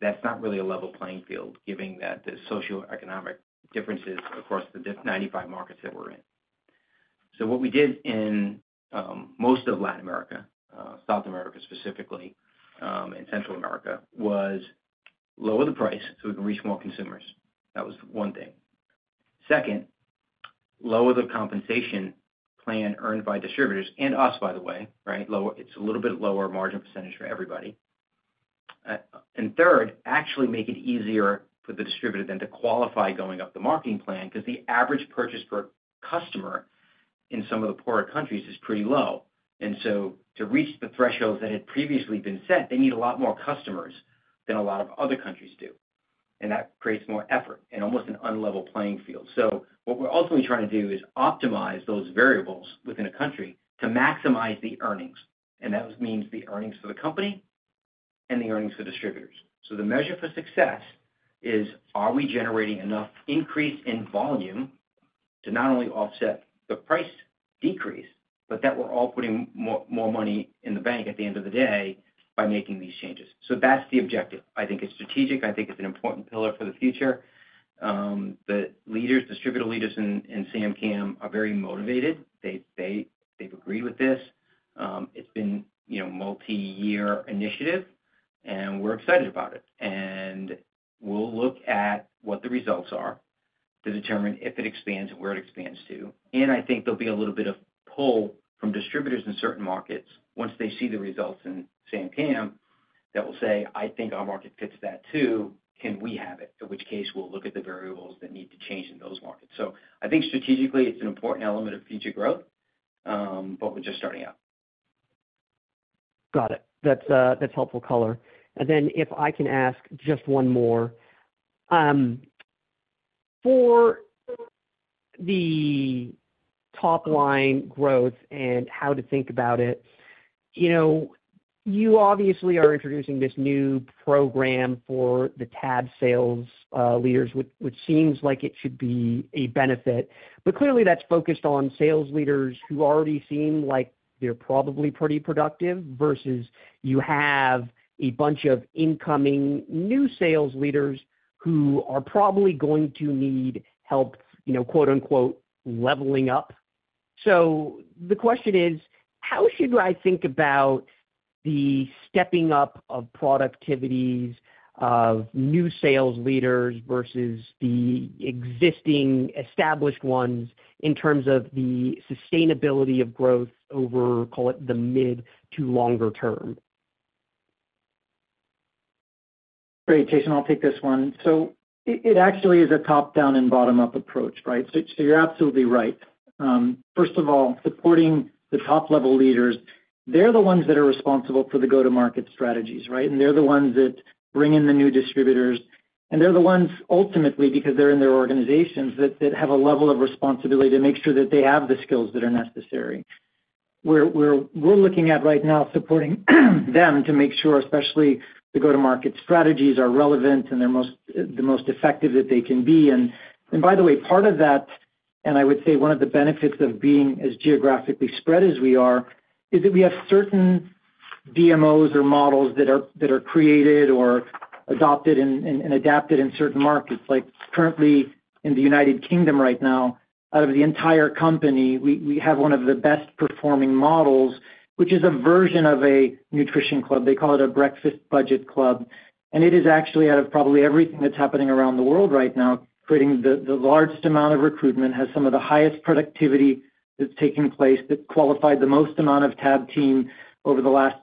that's not really a level playing field. Given that the socioeconomic differences across the 95 markets that we're in. So what we did in most of Latin America, South America, specifically in Central America, was lower the price so we can reach more consumers. That was one thing. Second, lower the compensation plan earned by Distributors and us, by the way. Right. It's a little bit lower margin percentage for everybody. And third, actually make it easier for the Distributor than to qualify going up the marketing plan. Because the average purchase per customer in some of the poorer countries is pretty low. And so to reach the thresholds that had previously been set, they need a lot more customers than a lot of other countries do. And that creates more effort and almost an unlevel playing field. So what we're ultimately trying to do is optimize those variables within a country to maximize the earnings. And that means the earnings for the company and the earnings for Distributors. So the measure for success is, are we generating enough increase in volume to not only offset the price decrease, but that we're all putting more money in the bank at the end of the day by making these changes. So that's the objective. I think it's strategic. I think it's an important pillar for the future. The Distributor leaders in SAMCAM are very motivated. They've agreed with this. It's been multi-year initiative. And we're excited about it. We'll look at what the results are. To determine if it expands and where it expands to, and I think there'll be a little bit of pull from Distributors in certain markets. Once they see the results in South America. That will say, I think our market fits that too. Can we have it? In which case, we'll look at the variables that need to change in those markets. So I think strategically, it's an important element of future growth. But we're just starting out. Got it. That's helpful color. And then if I can ask just one more for the top line growth and how to think about it? You know, you obviously are introducing this new program for the TAB sales leaders, which seems like it should be a benefit, but clearly that's focused on sales leaders who already seem like they are probably pretty productive versus you have a bunch of incoming new sales leaders who are probably going to need help leveling up. So the question is how should I think about the stepping up of productivities of new sales leaders versus the existing established ones in terms of the sustainability of growth over call it the mid- to longer-term. Great. Chasen, I'll take this one. It actually is a top-down and bottom-up approach. So you're absolutely right. First of all, supporting the top-level leaders, they're the ones that are responsible for the go-to-market strategies, right? They're the ones that bring in the new Distributors and they're the ones ultimately because they're in their organizations that have a level of responsibility to make sure that they have the skills that are necessary. We're looking at right now supporting them to make sure especially the go to market strategies are relevant and they're the most effective that they can be. By the way, part of that, and I would say one of the benefits of being as geographically spread as we are is that we have certain DMOs or models that are created or adopted and adapted in certain markets. Like currently in the U.K. right now, out of the entire company we have one of the best performing models which is a version of a nutrition club, they call it a Breakfast Budget Club. And it is actually out of probably everything that's happening around the world right now, creating the largest amount of recruitment has some of the highest productivity that's taking place that qualified the most amount of TAB Team over the last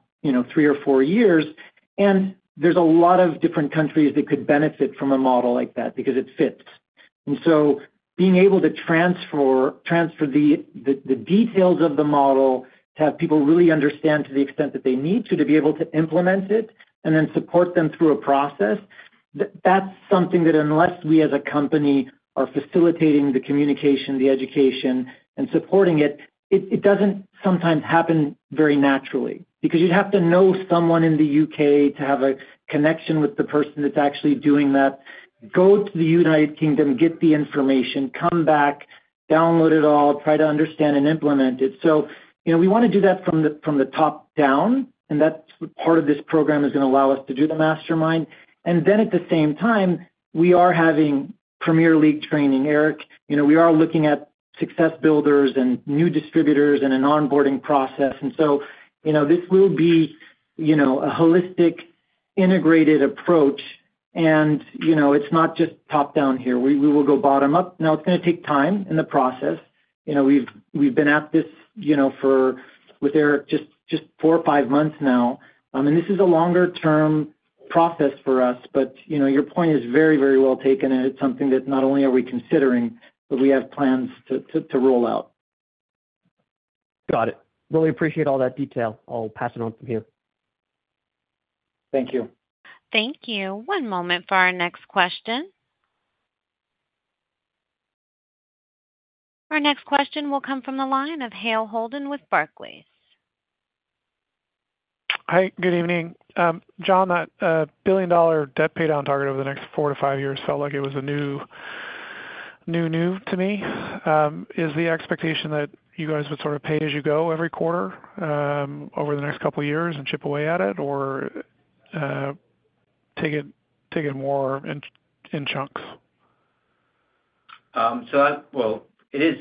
three or four years. And there's a lot of different countries that could benefit from a model like that because it fits. And so being able to transfer the details of the model, to have people really understand to the extent that they need to, to be able to implement it and then support them through a process, that's something that unless we as a company are facilitating the communication, the education and supporting it, it doesn't sometimes happen very naturally because you'd have to know someone in the U.K. to have a connection with the person that's actually doing that. Go to the U.K., get the information, come back, download it all, try to understand and implement it. So we want to do that from the top down and that's part of this program is going to allow us to do the Mastermind and then at the same time we are having Premier League training, Eric. We are looking at Success Builders and new Distributors and an onboarding process. And so this will be a holistic, integrated approach. And it's not just top down here. We will go bottom up. Now. It's going to take time in the process. We've been at this for, with Eric just four or five months now and this is a longer term process for us. But your point is very, very well taken and it's something that not only are we considering but we have plans to roll out. Got it. Really appreciate all that detail. I'll pass it on from here. Thank you. Thank you. One moment for our next question. Our next question will come from the line of Hale Holden with Barclays. Hi, good evening, John. That $1 billion debt pay down target over the next four to five years felt like it was a new to me is the expectation that you guys would sort of pay as you go every quarter over the next couple years and chip away at it or take it more in chunks. Well, it is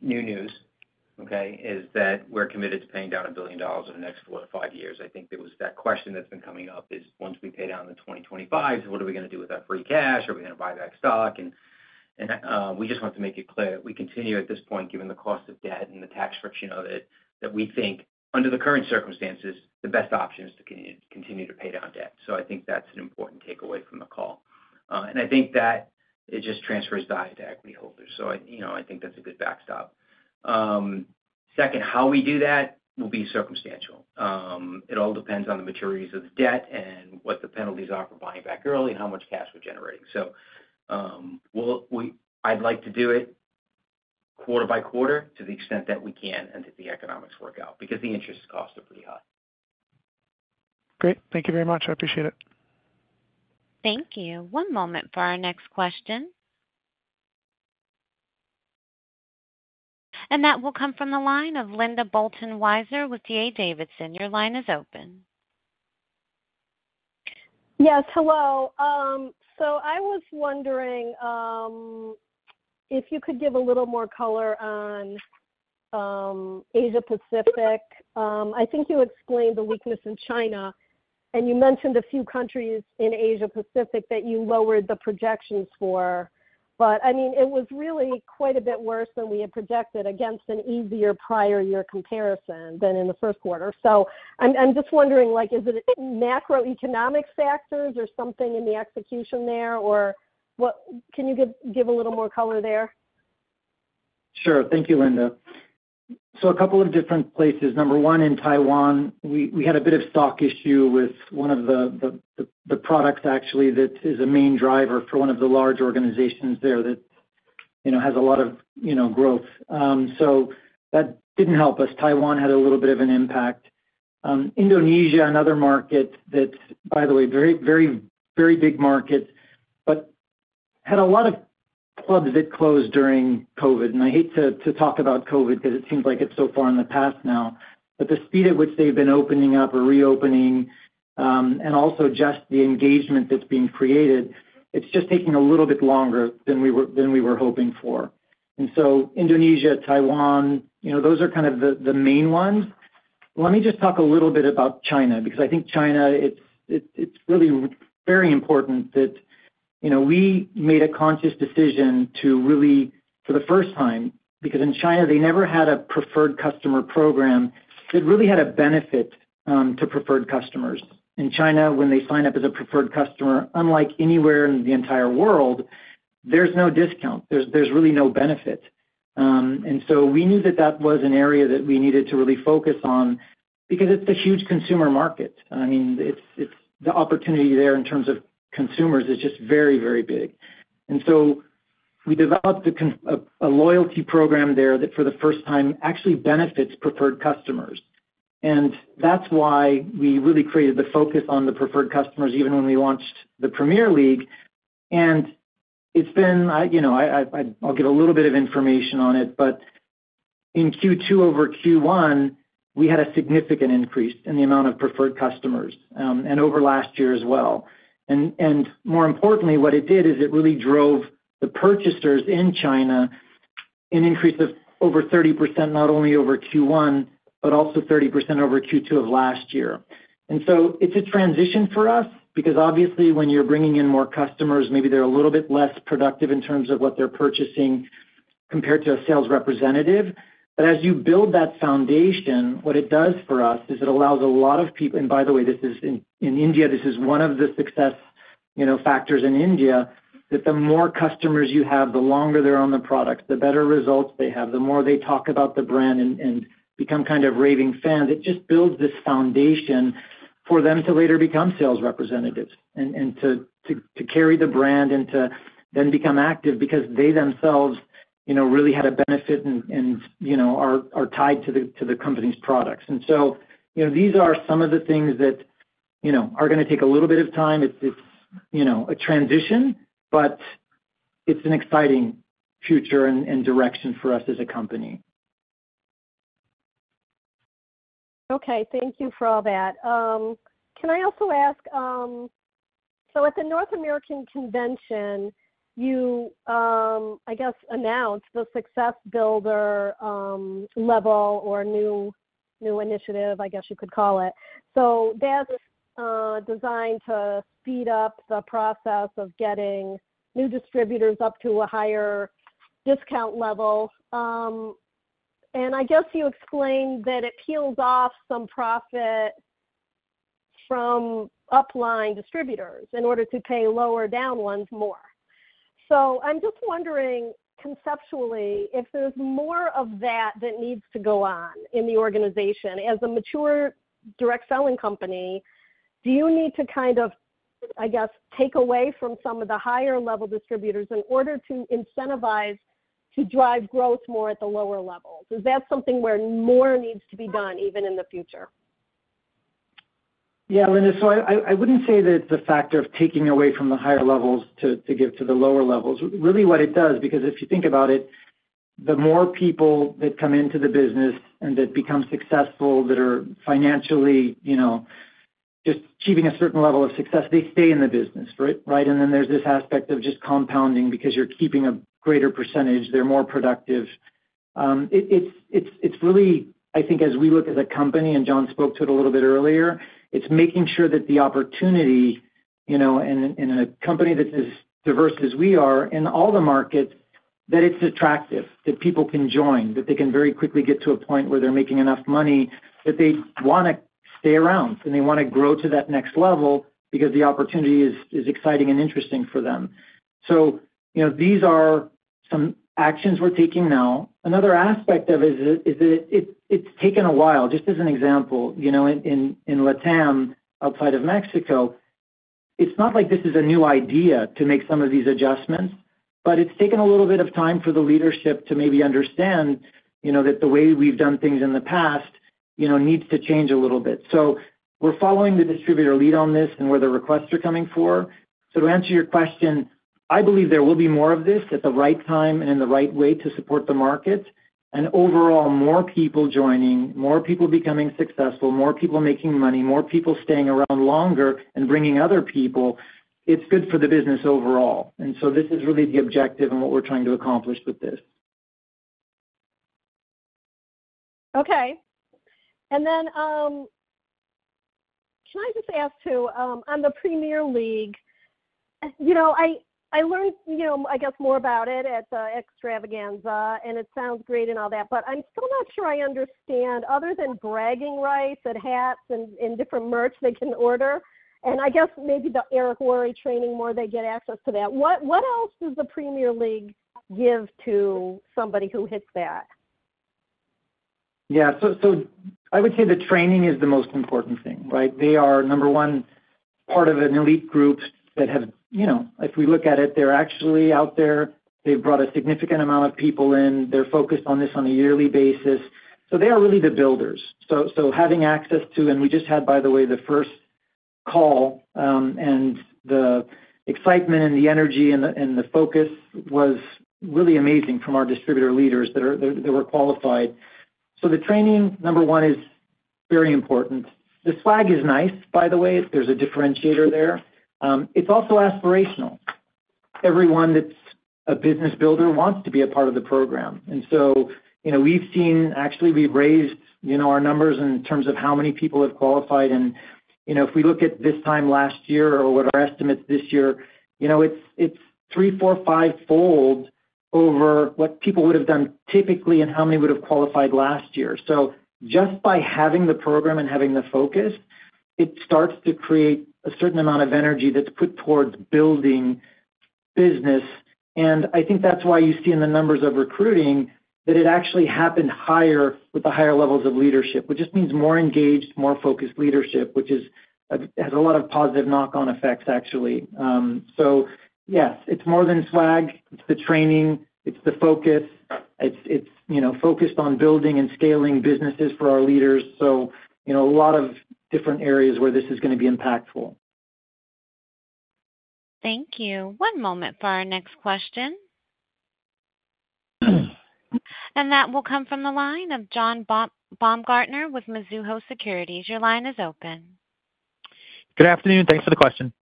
new news, okay, is that we're committed to paying down $1 billion in the next four to five years. I think there was that question that's been coming up is once we pay down the 2.0, 2.5, what are we going to do with that free cash? Are we going to buy back stock? And we just want to make it clear that we continue at this point given the cost of debt and the tax friction of it, that we think under the current circumstances the best option is to continue to pay down debt. So I think that's an important takeaway from the call and I think that it just transfers value to equity holders. So, you know, I think that's a good backstop. Second, how we do that will be circumstantial. It all depends on the maturities of the debt and what the penalties are for buying back early and how much cash we're generating. So I'd like to do it quarter-by-quarter to the extent that we can and that the economics work out because the interest costs are pretty high. Great. Thank you very much. I appreciate it. Thank you. One moment for our next question. That will come from the line of Linda Bolton Weiser with D.A. Davidson. Your line is open. Yes, Hello. So I was wondering if you could give a little more color on Asia Pacific. I think you explained the weakness in China and you mentioned a few countries in Asia Pacific that you lowered the projections for. But I mean, it was really quite a bit worse than we had projected against an easier prior year comparison than in the first quarter. So I'm just wondering, like, is it macroeconomic factors or something in the execution there, or can you give a little more color there? Sure. Thank you, Linda. So a couple of different places. Number one, in Taiwan, we had a bit of stock issue with one of the products, actually that is a main driver for one of the large organizations there that has a lot of growth. So that didn't help us. Taiwan had a little bit of an impact. Indonesia and other markets that, by the way, very, very big market, but had a lot of clubs that closed during COVID. And I hate to talk about COVID because it seems like it's so far in the past now, but the speed at which they've been opening up or reopening and also just the engagement that's being created, it's just taking a little bit longer than we were hoping for. And so Indonesia, Taiwan, you know, those are kind of the main ones. Let me just talk a little bit about China, because I think China, it's really very important that we made a conscious decision to really, for the first time, because in China, they never had a Preferred Customer program that really had a benefit Preferred Customers. in China, when they signed up as a Preferred Customer, unlike anywhere in the entire world, there's no discount, there's really no benefit. We knew that that was an area that we needed to really focus on because it's a huge consumer market. I mean, the opportunity there in terms of consumers is just very, very big. And so we developed a loyalty program there that for the first time actually Preferred Customers. and that's why we really created the focus on Preferred Customers even when we launched the Premier League. And it's been, you know, I'll give a little bit of information on it, but in Q2 over Q1, we had a significant increase in the amount Preferred Customers and over last year as well. And more importantly, what it did is it really drove the purchasers in China an increase of over 30%, not only over Q1, but also 30% over Q2 of last year. And so it's a transition for us because obviously, when you're bringing in more customers, maybe they're a little bit less productive in terms of what they're purchasing compared to a sales representative. But as you build that foundation, what it does for us is it allows a lot of people. And by the way, this is in India, this is one of the success factors in India, that the more customers you have, the longer they're on the product, the better results they have, the more they talk about the brand and become kind of raving fans. It just builds this foundation for them to later become sales representatives and to, to carry the brand and to then become active because they themselves really had a benefit and are tied to the company's products. And so these are some of the things that are going to take a little bit of time. It's a transition, but it's an exciting future and direction for us as a company. Okay, thank you for all that. Can I also ask, so at the North American convention, you, I guess, announced the Success Builder level, or new initiative, I guess you could call it. So that's designed to speed up the process of getting new Distributors up to a higher discount level. And I guess you explained that it peels off some profit from upline Distributors in order to pay lower down ones more. So I'm just wondering conceptually if there's more of that that needs to go on in the organization as a mature direct selling company. Do you need to kind of, I guess, take away from some of the higher level Distributors in order to incentivize to drive growth more at the lower levels? Is that something where more needs to be done even in the future? Yes, Linda. So I wouldn't say that it's a factor of taking away from the higher levels to give to the lower levels. Really, what it does. Because if you think about it, the more people that come into the business and that become successful, that are financially just achieving a certain level of success, they stay in the business. Right. And then there's this aspect of just compounding because you're keeping a greater percentage, they're more productive. It's really, I think as we look as a company, and John spoke to it a little bit earlier, it's making sure that the opportunity, you know, in a company that's as diverse as we are in all the markets, that it's attractive that people can join, that they can very quickly get to a point where they're making enough money that they want to stay around and they want to grow to that next level because the opportunity is exciting and interesting for them. So these are some actions we're taking now. Another aspect of it is that it's taken a while, just as an example in LATAM, outside of Mexico. It's not like this is a new idea to make some of these adjustments, but it's taken a little bit of time for the leadership to maybe understand that the way we've done things in the past needs to change a little bit. So we're following the Distributor lead on this and where the requests are coming for. So to answer your question, I believe there will be more of this at the right time and in the right way to support the market and overall more people joining, more people becoming successful, more people making money, more people staying around longer and bringing other people. It's good for the business overall. And so this is really the objective and what we're trying to accomplish with this. Okay, and then can I just ask too on the Premier League, you know, I learned I guess more about it at Extravaganza and it sounds great and all that, but I'm still not sure I understand other than bragging rights and hats and different merch they can order and I guess maybe the Eric Worre training, more they get access to that. What else does the Premier League give to somebody who hits that? Yeah, so I would say the training is the most important thing. Right. They are number one part of an elite group that have, you know, if we look at it, they're actually out there. They've brought a significant amount of people in, they're focused on this on a yearly basis. So they are really the builders. So having access to and we just had by the way, the first call and the excitement and the energy and the focus was really amazing from our Distributor leaders that were qualified. So the training, number one is very important. The swag is nice by the way. There's a differentiator there. It's also aspirational. Everyone that's a business builder wants to be a part of the program. And so, you know, we've seen, actually we've raised, you know, our numbers in terms of how many people have qualified. You know, if we look at this time last year or what our estimates this year, you know, it's three, four, five fold over what people would have done typically and how many would have qualified last year. So just by having the program and having the focus, it starts to create a certain amount of energy that's put towards building business. And I think that's why you see in the numbers of recruiting that it actually happened higher with the higher levels of leadership which just means more engaged, more focused leadership which is, has a lot of positive knock on effects actually. So yes, it's more than swag, it's the training, it's the focus. It's focused on building and scaling businesses for our leaders. So a lot of different areas where this is going to be impactful. Thank you. One moment for our next question. And that will come from the line of John Baumgartner with Mizuho Securities. Your line is open. Good afternoon. Thanks for the question.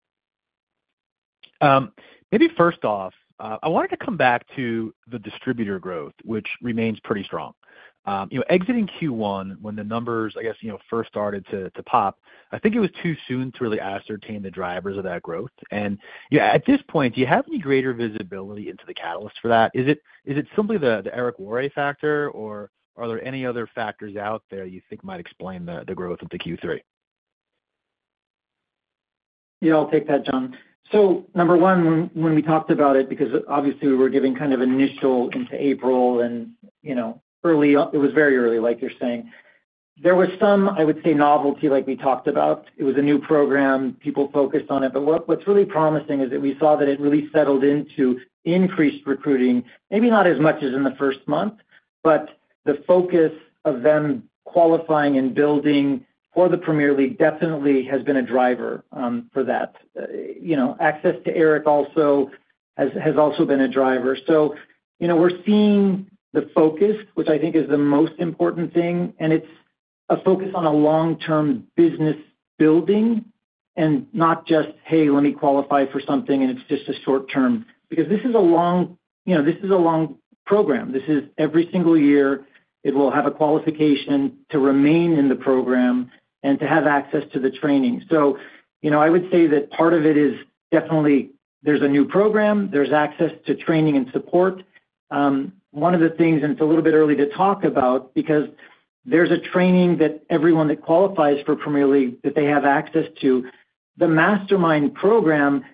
Maybe first off I wanted to come. Back to the Distributor growth which remains pretty strong, you know, exiting Q1 when the numbers, I guess, you know, first started to pop. I think it was too soon to really ascertain the drivers of that growth. And at this point, do you have any greater visibility into the catalyst for that? Is it, is it simply the Eric Worre factor or are there any other factors out there you think might explain the growth of the Q3? Yeah, I'll take that, John. So number one, when we talked about it, because obviously we were giving kind of initial into April and early, it was very early, like you're saying, there was some, I would say novelty, like we talked about it was a new program, people focused on it. But what's really promising is that we saw that it really settled into increased recruiting. Maybe not as much as in the first month, but the focus of them qualifying and building for the Premier League definitely has been a driver for that. You know, access to Eric also has also been a driver. So you know, we're seeing the focus, which I think is the most important thing and it's a focus on a long term business building and not just, hey, let me qualify for something. And it's just a short term because this is a long, you know, this is a long program. This is every single year it will have a qualification to remain in the program and to have access to the training. So you know, I would say that part of it is definitely there's a new program, there's access to training and support. One of the things, and it's a little bit early to talk about because there's a training that everyone that qualifies for Premier League, that they have access to the Mastermind program,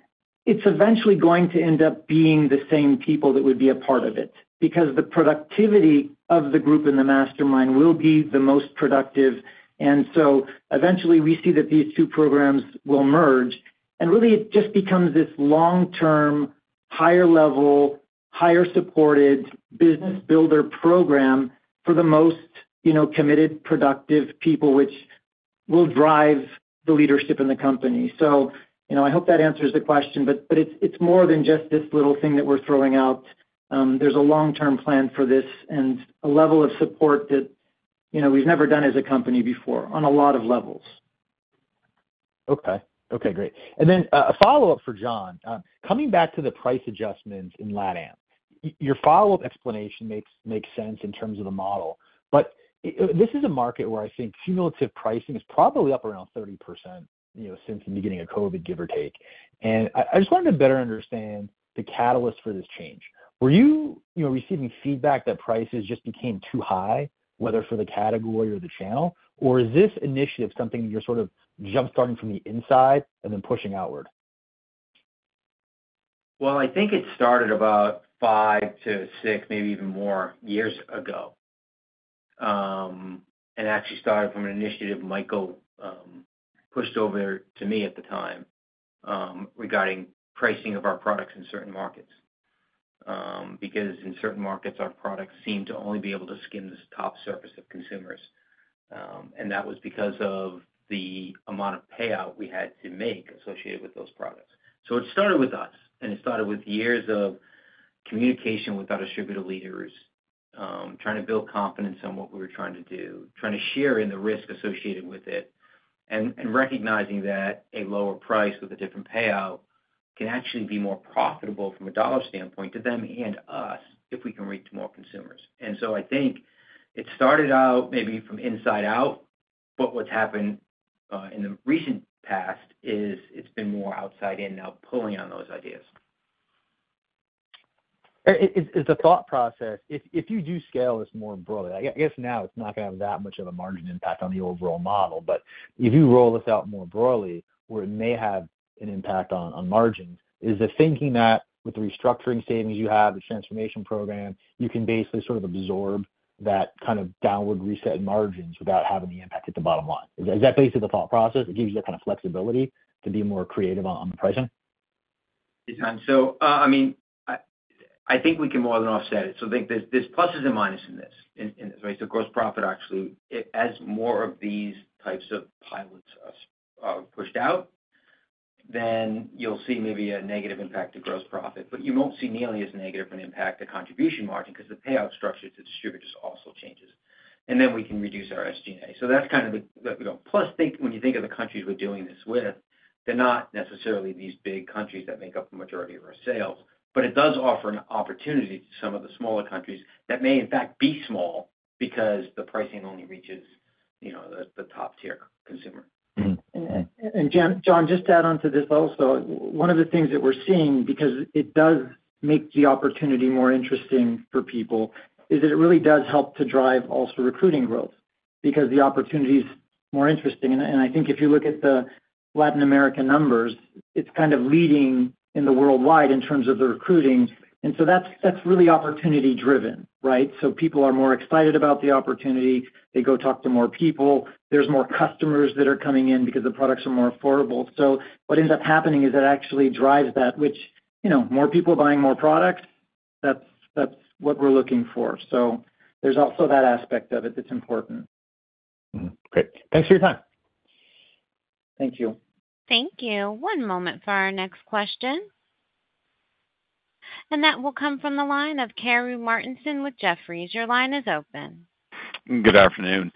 it's eventually going to end up being the same people that would be a part of it because the productivity of the group in the Mastermind will be the most productive. And so eventually we see that these two programs will merge and really it just becomes this long-term, higher-level, higher-supported business builder program for the most committed, productive people which will drive the leadership in the company. So I hope that answers the question. But it's more than just this little thing that we're throwing out. There's a long-term plan for this and a level of support that we've never done as a company before on a lot of levels. Okay, okay, great. And then a follow-up for John. Coming back to the price adjustments in LATAM, your follow up explanation makes sense in terms of the model, but this is a market where I think cumulative pricing is probably up around 30% since the beginning of COVID give or take. I just wanted to better understand the catalyst for this change? Were you receiving feedback that prices just became too high, whether for the category or the channel or is this initiative something you're sort of jump starting from the inside and then pushing outward? Well, I think it started about five to six, maybe even more years ago and actually started from an initiative Michael pushed over to me at the time regarding pricing of our products in certain markets, because in certain markets our products seem to only be able to skim the top surface of consumers. And that was because of the amount of payout we had to make associated with those products. So it started with us and it started with years of communication with our Distributor leaders trying to build confidence on what we were trying to do, trying to share in the risk associated with it, and recognizing that a lower price with a different payout can actually be more profitable from a dollar standpoint to them and us if we can reach more consumers. And so I think it started out maybe from inside out, but what's happened in the recent past is it's been more outside in now pulling on those ideas. It's a thought process if you do scale this more broadly, I guess now it's not going to have that much of a margin impact on the overall model. But if you roll this out more broadly, where it may have an impact on margins, is the thinking that with the restructuring savings you have, the transformation program, you can basically sort of absorb that kind of downward reset margins without having the impact at the bottom line? Is that basically the thought process, It gives you that kind of flexibility to be more creative on the pricing. So I mean, I think we can more than offset it. So there's pluses and minuses in this gross profit. Actually, as more of these types of pilots pushed out, then you'll see maybe a negative impact to gross profit, but you won't see nearly as negative an impact to contribution margin because the payout structure to Distributors also changes and then we can reduce our SG&A. So that's kind of the plus when you think of the countries we're doing this with. They're not necessarily these big countries that make up the majority of our sales, but it does offer an opportunity to some of the smaller countries that may in fact be small because the pricing only reaches the top tier consumer. And John, just to add onto this also, one of the things that we're seeing because it does make the opportunity more interesting for people is that it really does help to drive also recruiting growth because the opportunity is more interesting. And I think if you look at the Latin American numbers, it's kind of leading in the worldwide in terms of the recruiting. And so that's really opportunity driven. Right? So people are more excited about the opportunity. They go talk to more people; there's more customers that are coming in because the products are more affordable. So what ends up happening is it actually drives that which more people buying more products. That's what we're looking for. So there's also that aspect of it that's important. Great. Thanks for your time. Thank you. Thank you. One moment for our next question and that will come from the line of Karru Martinson with Jefferies. Your line is open. Good afternoon.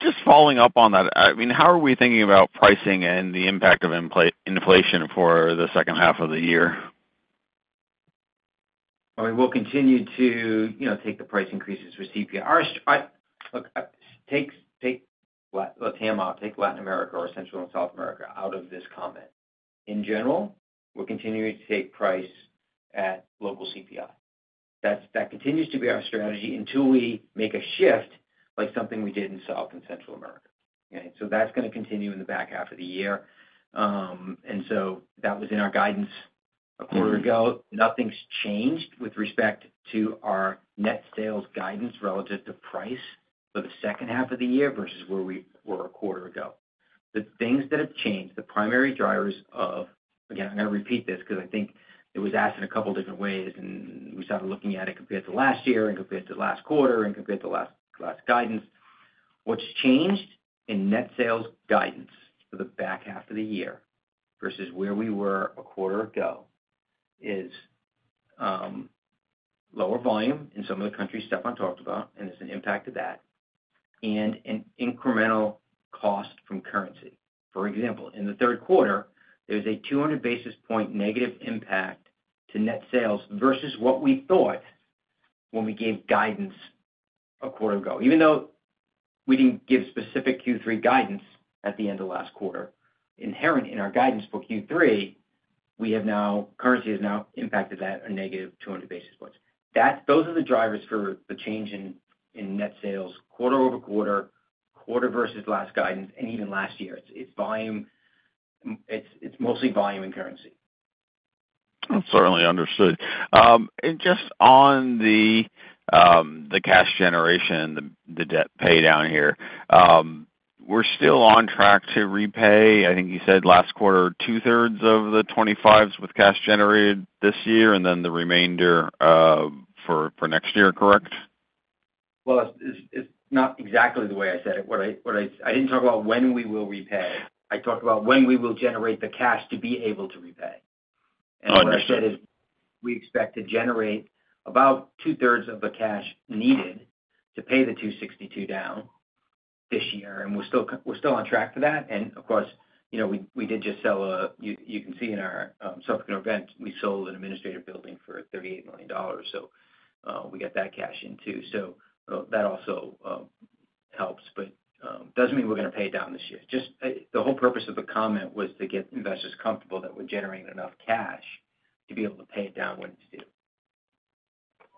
Just following up on that, I mean, how are we thinking about pricing and the impact of inflation for the second half of the year? We will continue to take the price increases for CPI. Look, take LATAM out, take Latin America or Central and South America out of this comment. In general, we're continuing to take price at local CPI. That continues to be our strategy until we make a shift like something we did in South and Central America. So that's going to continue in the back half of the year. And so that was in our guidance a quarter ago. Nothing's changed with respect to our net sales guidance relative to price for the second half of the year versus where we were a quarter ago. The things that have changed, the primary drivers of—again, I'm going to repeat this because I think it was asked in a couple different ways and we started looking at it compared to last year and compared to last quarter and compared to last guidance. What's changed in net sales guidance for the back half of the year versus where we were a quarter ago is lower volume in some of the countries Stephan talked about. And there's an impact of that and an incremental cost from currency. For example, in the third quarter there's a 200 basis points negative impact to net sales versus what we thought when we gave guidance a quarter ago. Even though we didn't give specific Q3 guidance at the end of last quarter. Inherent in our guidance for Q3 we have now currency has now impacted that a negative 200 basis points. Those are the drivers for the change in net sales quarter-over-quarter versus last guidance. And even last year it's volume. It's mostly volume and currency. Certainly, understood. Just on the cash generation, the debt pay down here, we're still on track to repay, I think you said last quarter 2/3 of the 25s with cash generated this year and then the remainder for next year. Correct. Well, it's not exactly the way I said it. I didn't talk about when we will repay. I talked about when we will generate the cash to be able to repay. What I said is we expect to generate about 2/3 of the cash needed to pay the $262 down this year. We're still on track for that. Of course, you know, we did just sell. You can see in our event, we sold an administrative building for $38 million. So we got that cash in too. That also helps, but doesn't mean we're going to pay it down this year. Just the whole purpose of the comment was to get investors comfortable that we're generating enough cash to be able to pay it down. When.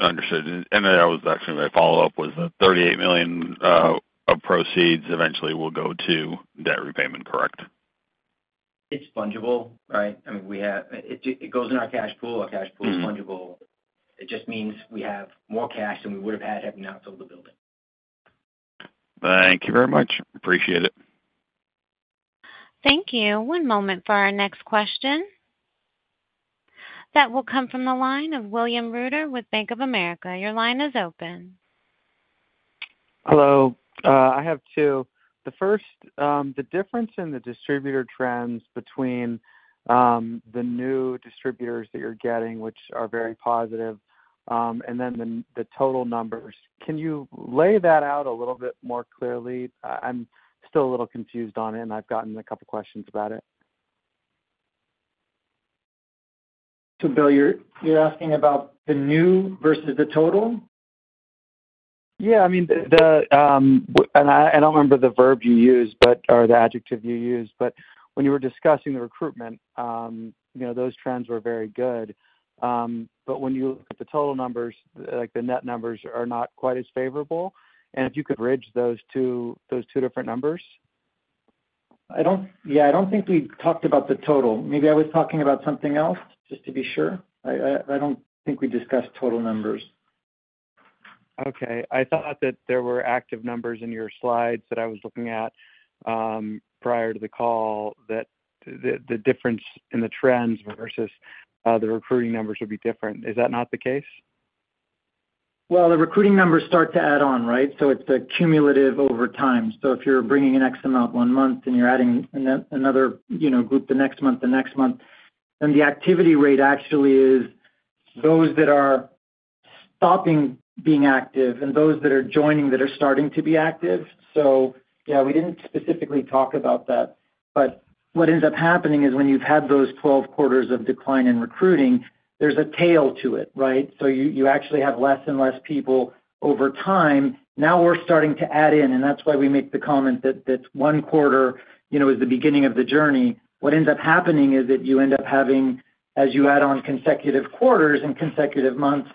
Understood.And that was actually my follow-up was that $38 million of proceeds eventually. Will go to debt repayment. Correct. It's fungible, right? I mean we have. It goes in our cash pool. Our cash pool is fungible. It just means we have more cash than we would have had had we not sold the building. Thank you very much. Appreciate it. Thank you. One moment for our next question. That will come from the line of William Reuter with Bank of America. Your line is open. Hello. I have two. The first, the difference in the Distributor trends between the new Distributors that you're getting, which are very positive, and then the total numbers. Can you lay that out a little bit more clearly? I'm still a little confused on it and I've gotten a couple questions about it. So Will, you're asking about the new versus the total. Yeah. I mean, I don't remember the verb you used or the adjective you used, but when you were discussing the recruitment, you know, those trends were very good. But when you look at the total numbers, like the net numbers are not quite as favorable, and if you could bridge those two. Those two different numbers? Yeah. I don't think we talked about the total. Maybe I was talking about something else. Just to be sure. I don't think we discussed total numbers. Okay. I thought that there were active numbers in your slides that I was looking at prior to the call that the difference in the trends versus the recruiting numbers would be different. Is that not the case? Well, the recruiting numbers start to add on. Right. So it's cumulative over time. So if you're bringing an X amount one month and you're adding another group the next month, the next month, then the activity rate actually is those that are stopping being active and those that are joining that are starting to be active. So yeah, we didn't specifically talk about that, but what ends up happening is when you've had those 12 quarters of decline in recruiting, there's a tail to it. Right. So you actually have less and less people over time. Now we're starting to add in and that's why we make the comment that Q1 is the beginning of the journey. What ends up happening is that you end up having, as you add on consecutive quarters and consecutive months,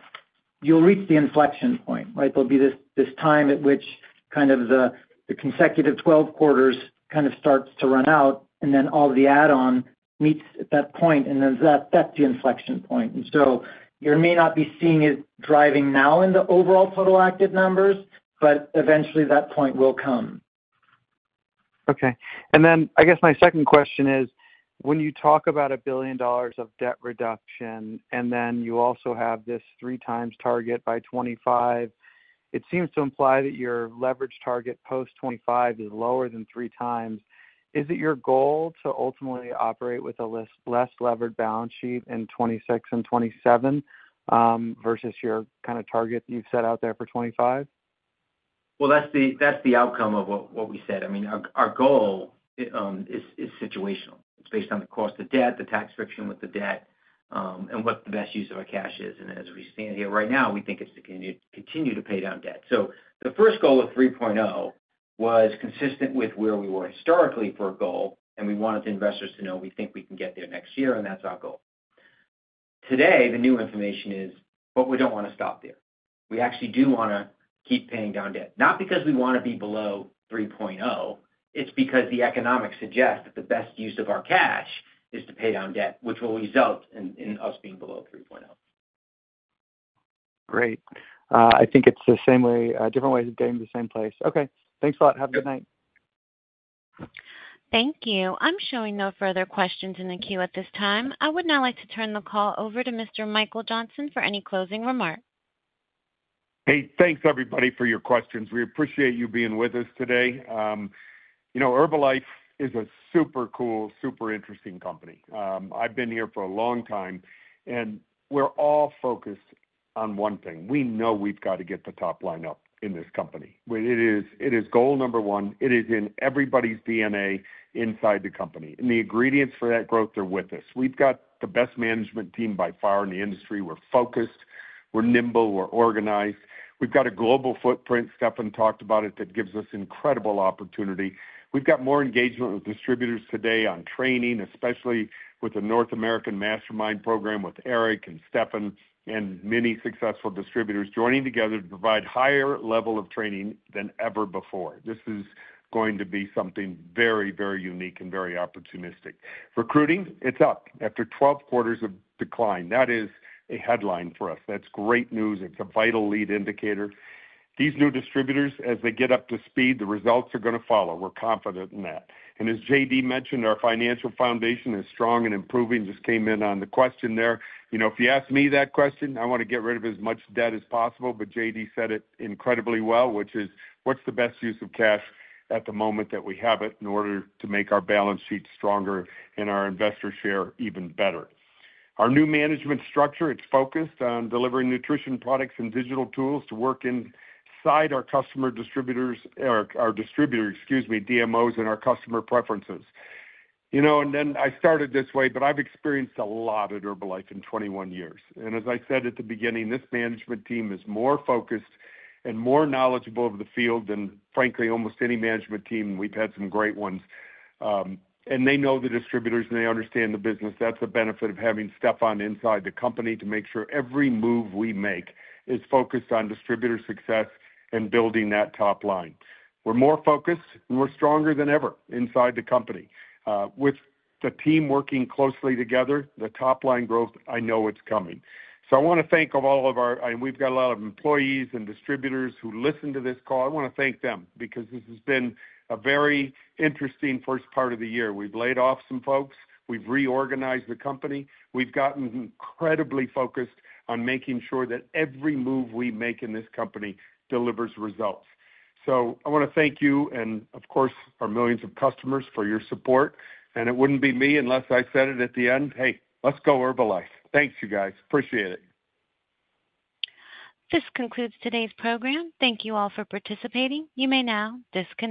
you'll reach the inflection point. There'll be this time at which kind of the consecutive 12 quarters kind of starts to run out and then all the add on meets at that point and then that's the inflection point. So you may not be seeing it driving now in the overall total active numbers, but eventually that point will come. Okay, and then I guess my second question is, when you talk about $1 billion of debt reduction and then you also have this 3x target by 25, it seems to imply that your leverage target post-2025 is lower than 3x. Is it your goal to ultimately operate with a less levered balance sheet in 2026 and 2027 versus your kind of target you've set out there for 2025? Well, that's the outcome of what we said. I mean, our goal is situational. It's based on the cost of debt, the tax friction with the debt, and what the best use of our cash is. And as we stand here right now, we think it's to continue to pay down debt. So the first goal of 3.0 was consistent with where we were historically for a goal. And we wanted the investors to know we think we can get there next year and that's our goal today. The new information is, but we don't want to stop there. We actually do want to keep paying down debt. Not because we want to be below 3.0, it's because the economics suggest that the best use of our cash is to pay down debt, which will result in us being below 3.0. Great. I think it's the same way, different ways of getting to the same place. Okay, thanks a lot. Have a good night. Thank you. I'm showing no further questions in the queue at this time. I would now like to turn the call over to Mr. Michael Johnson for any closing remarks. Thanks everybody for your questions. We appreciate you being with us today. You know, Herbalife is a super cool, super interesting company. I've been here for a long time and we're all focused on one thing. We know we've got to get the top line up in this company. It is goal number one. It is in everybody's DNA inside the company. And the ingredients for that growth are with us. We've got the best management team by far in the industry. We're focused, we're nimble, we're organized. We've got a global footprint. Stephan talked about it. That gives us incredible opportunity. We've got more engagement with Distributors today on training. Especially with the North American Mastermind program with Eric and Stephan and many successful Distributors joining together to provide higher level of training than ever before. This is going to be something very, very unique and very opportunistic recruiting. It's up after 12 quarters of decline. That is a headline for us. That's great news. It's a vital lead indicator. These new Distributors, as they get up to speed, the results are going to follow. We're confident in that. And as JD mentioned, our financial foundation is strong and improving. Just came in on the question there. You know, if you ask me that question, I want to get rid of as much debt as possible. But JD said it incredibly well. Which is what's the best use of cash at the moment that we have it. In order to make our balance sheet stronger and our investor share even better. Our new management structure is focused on delivering nutrition products and digital tools to work inside our customer Distributors or our Distributor, excuse me, DMOs. And our customer preferences, you know, and then I started this way, but I've experienced a lot at Herbalife in 21 years. And as I said at the beginning, this management team is more focused and more knowledgeable of the field than frankly, almost any management team. We've had some great ones and they know the Distributors and they understand the business. That's the benefit of having Stephan inside the company to make sure every move we make is focused on Distributor success and building that top line. We're more focused and we're stronger than ever inside the company. With the team working closely together. The top line growth, I know it's coming. So I want to thank all of our. We've got a lot of employees and Distributors who listen to this call. I want to thank them because this has been a very interesting first part of the year. We've laid off some folks. We've reorganized the company. We've gotten incredibly focused on making sure that every move we make in this company delivers results. So I want to thank you, and, of course, our millions of customers for your support. And it wouldn't be me unless I said it at the end. Hey, let's go, Herbalife. Thank you, guys. Appreciate it. This concludes today's program. Thank you all for participating. You may now disconnect.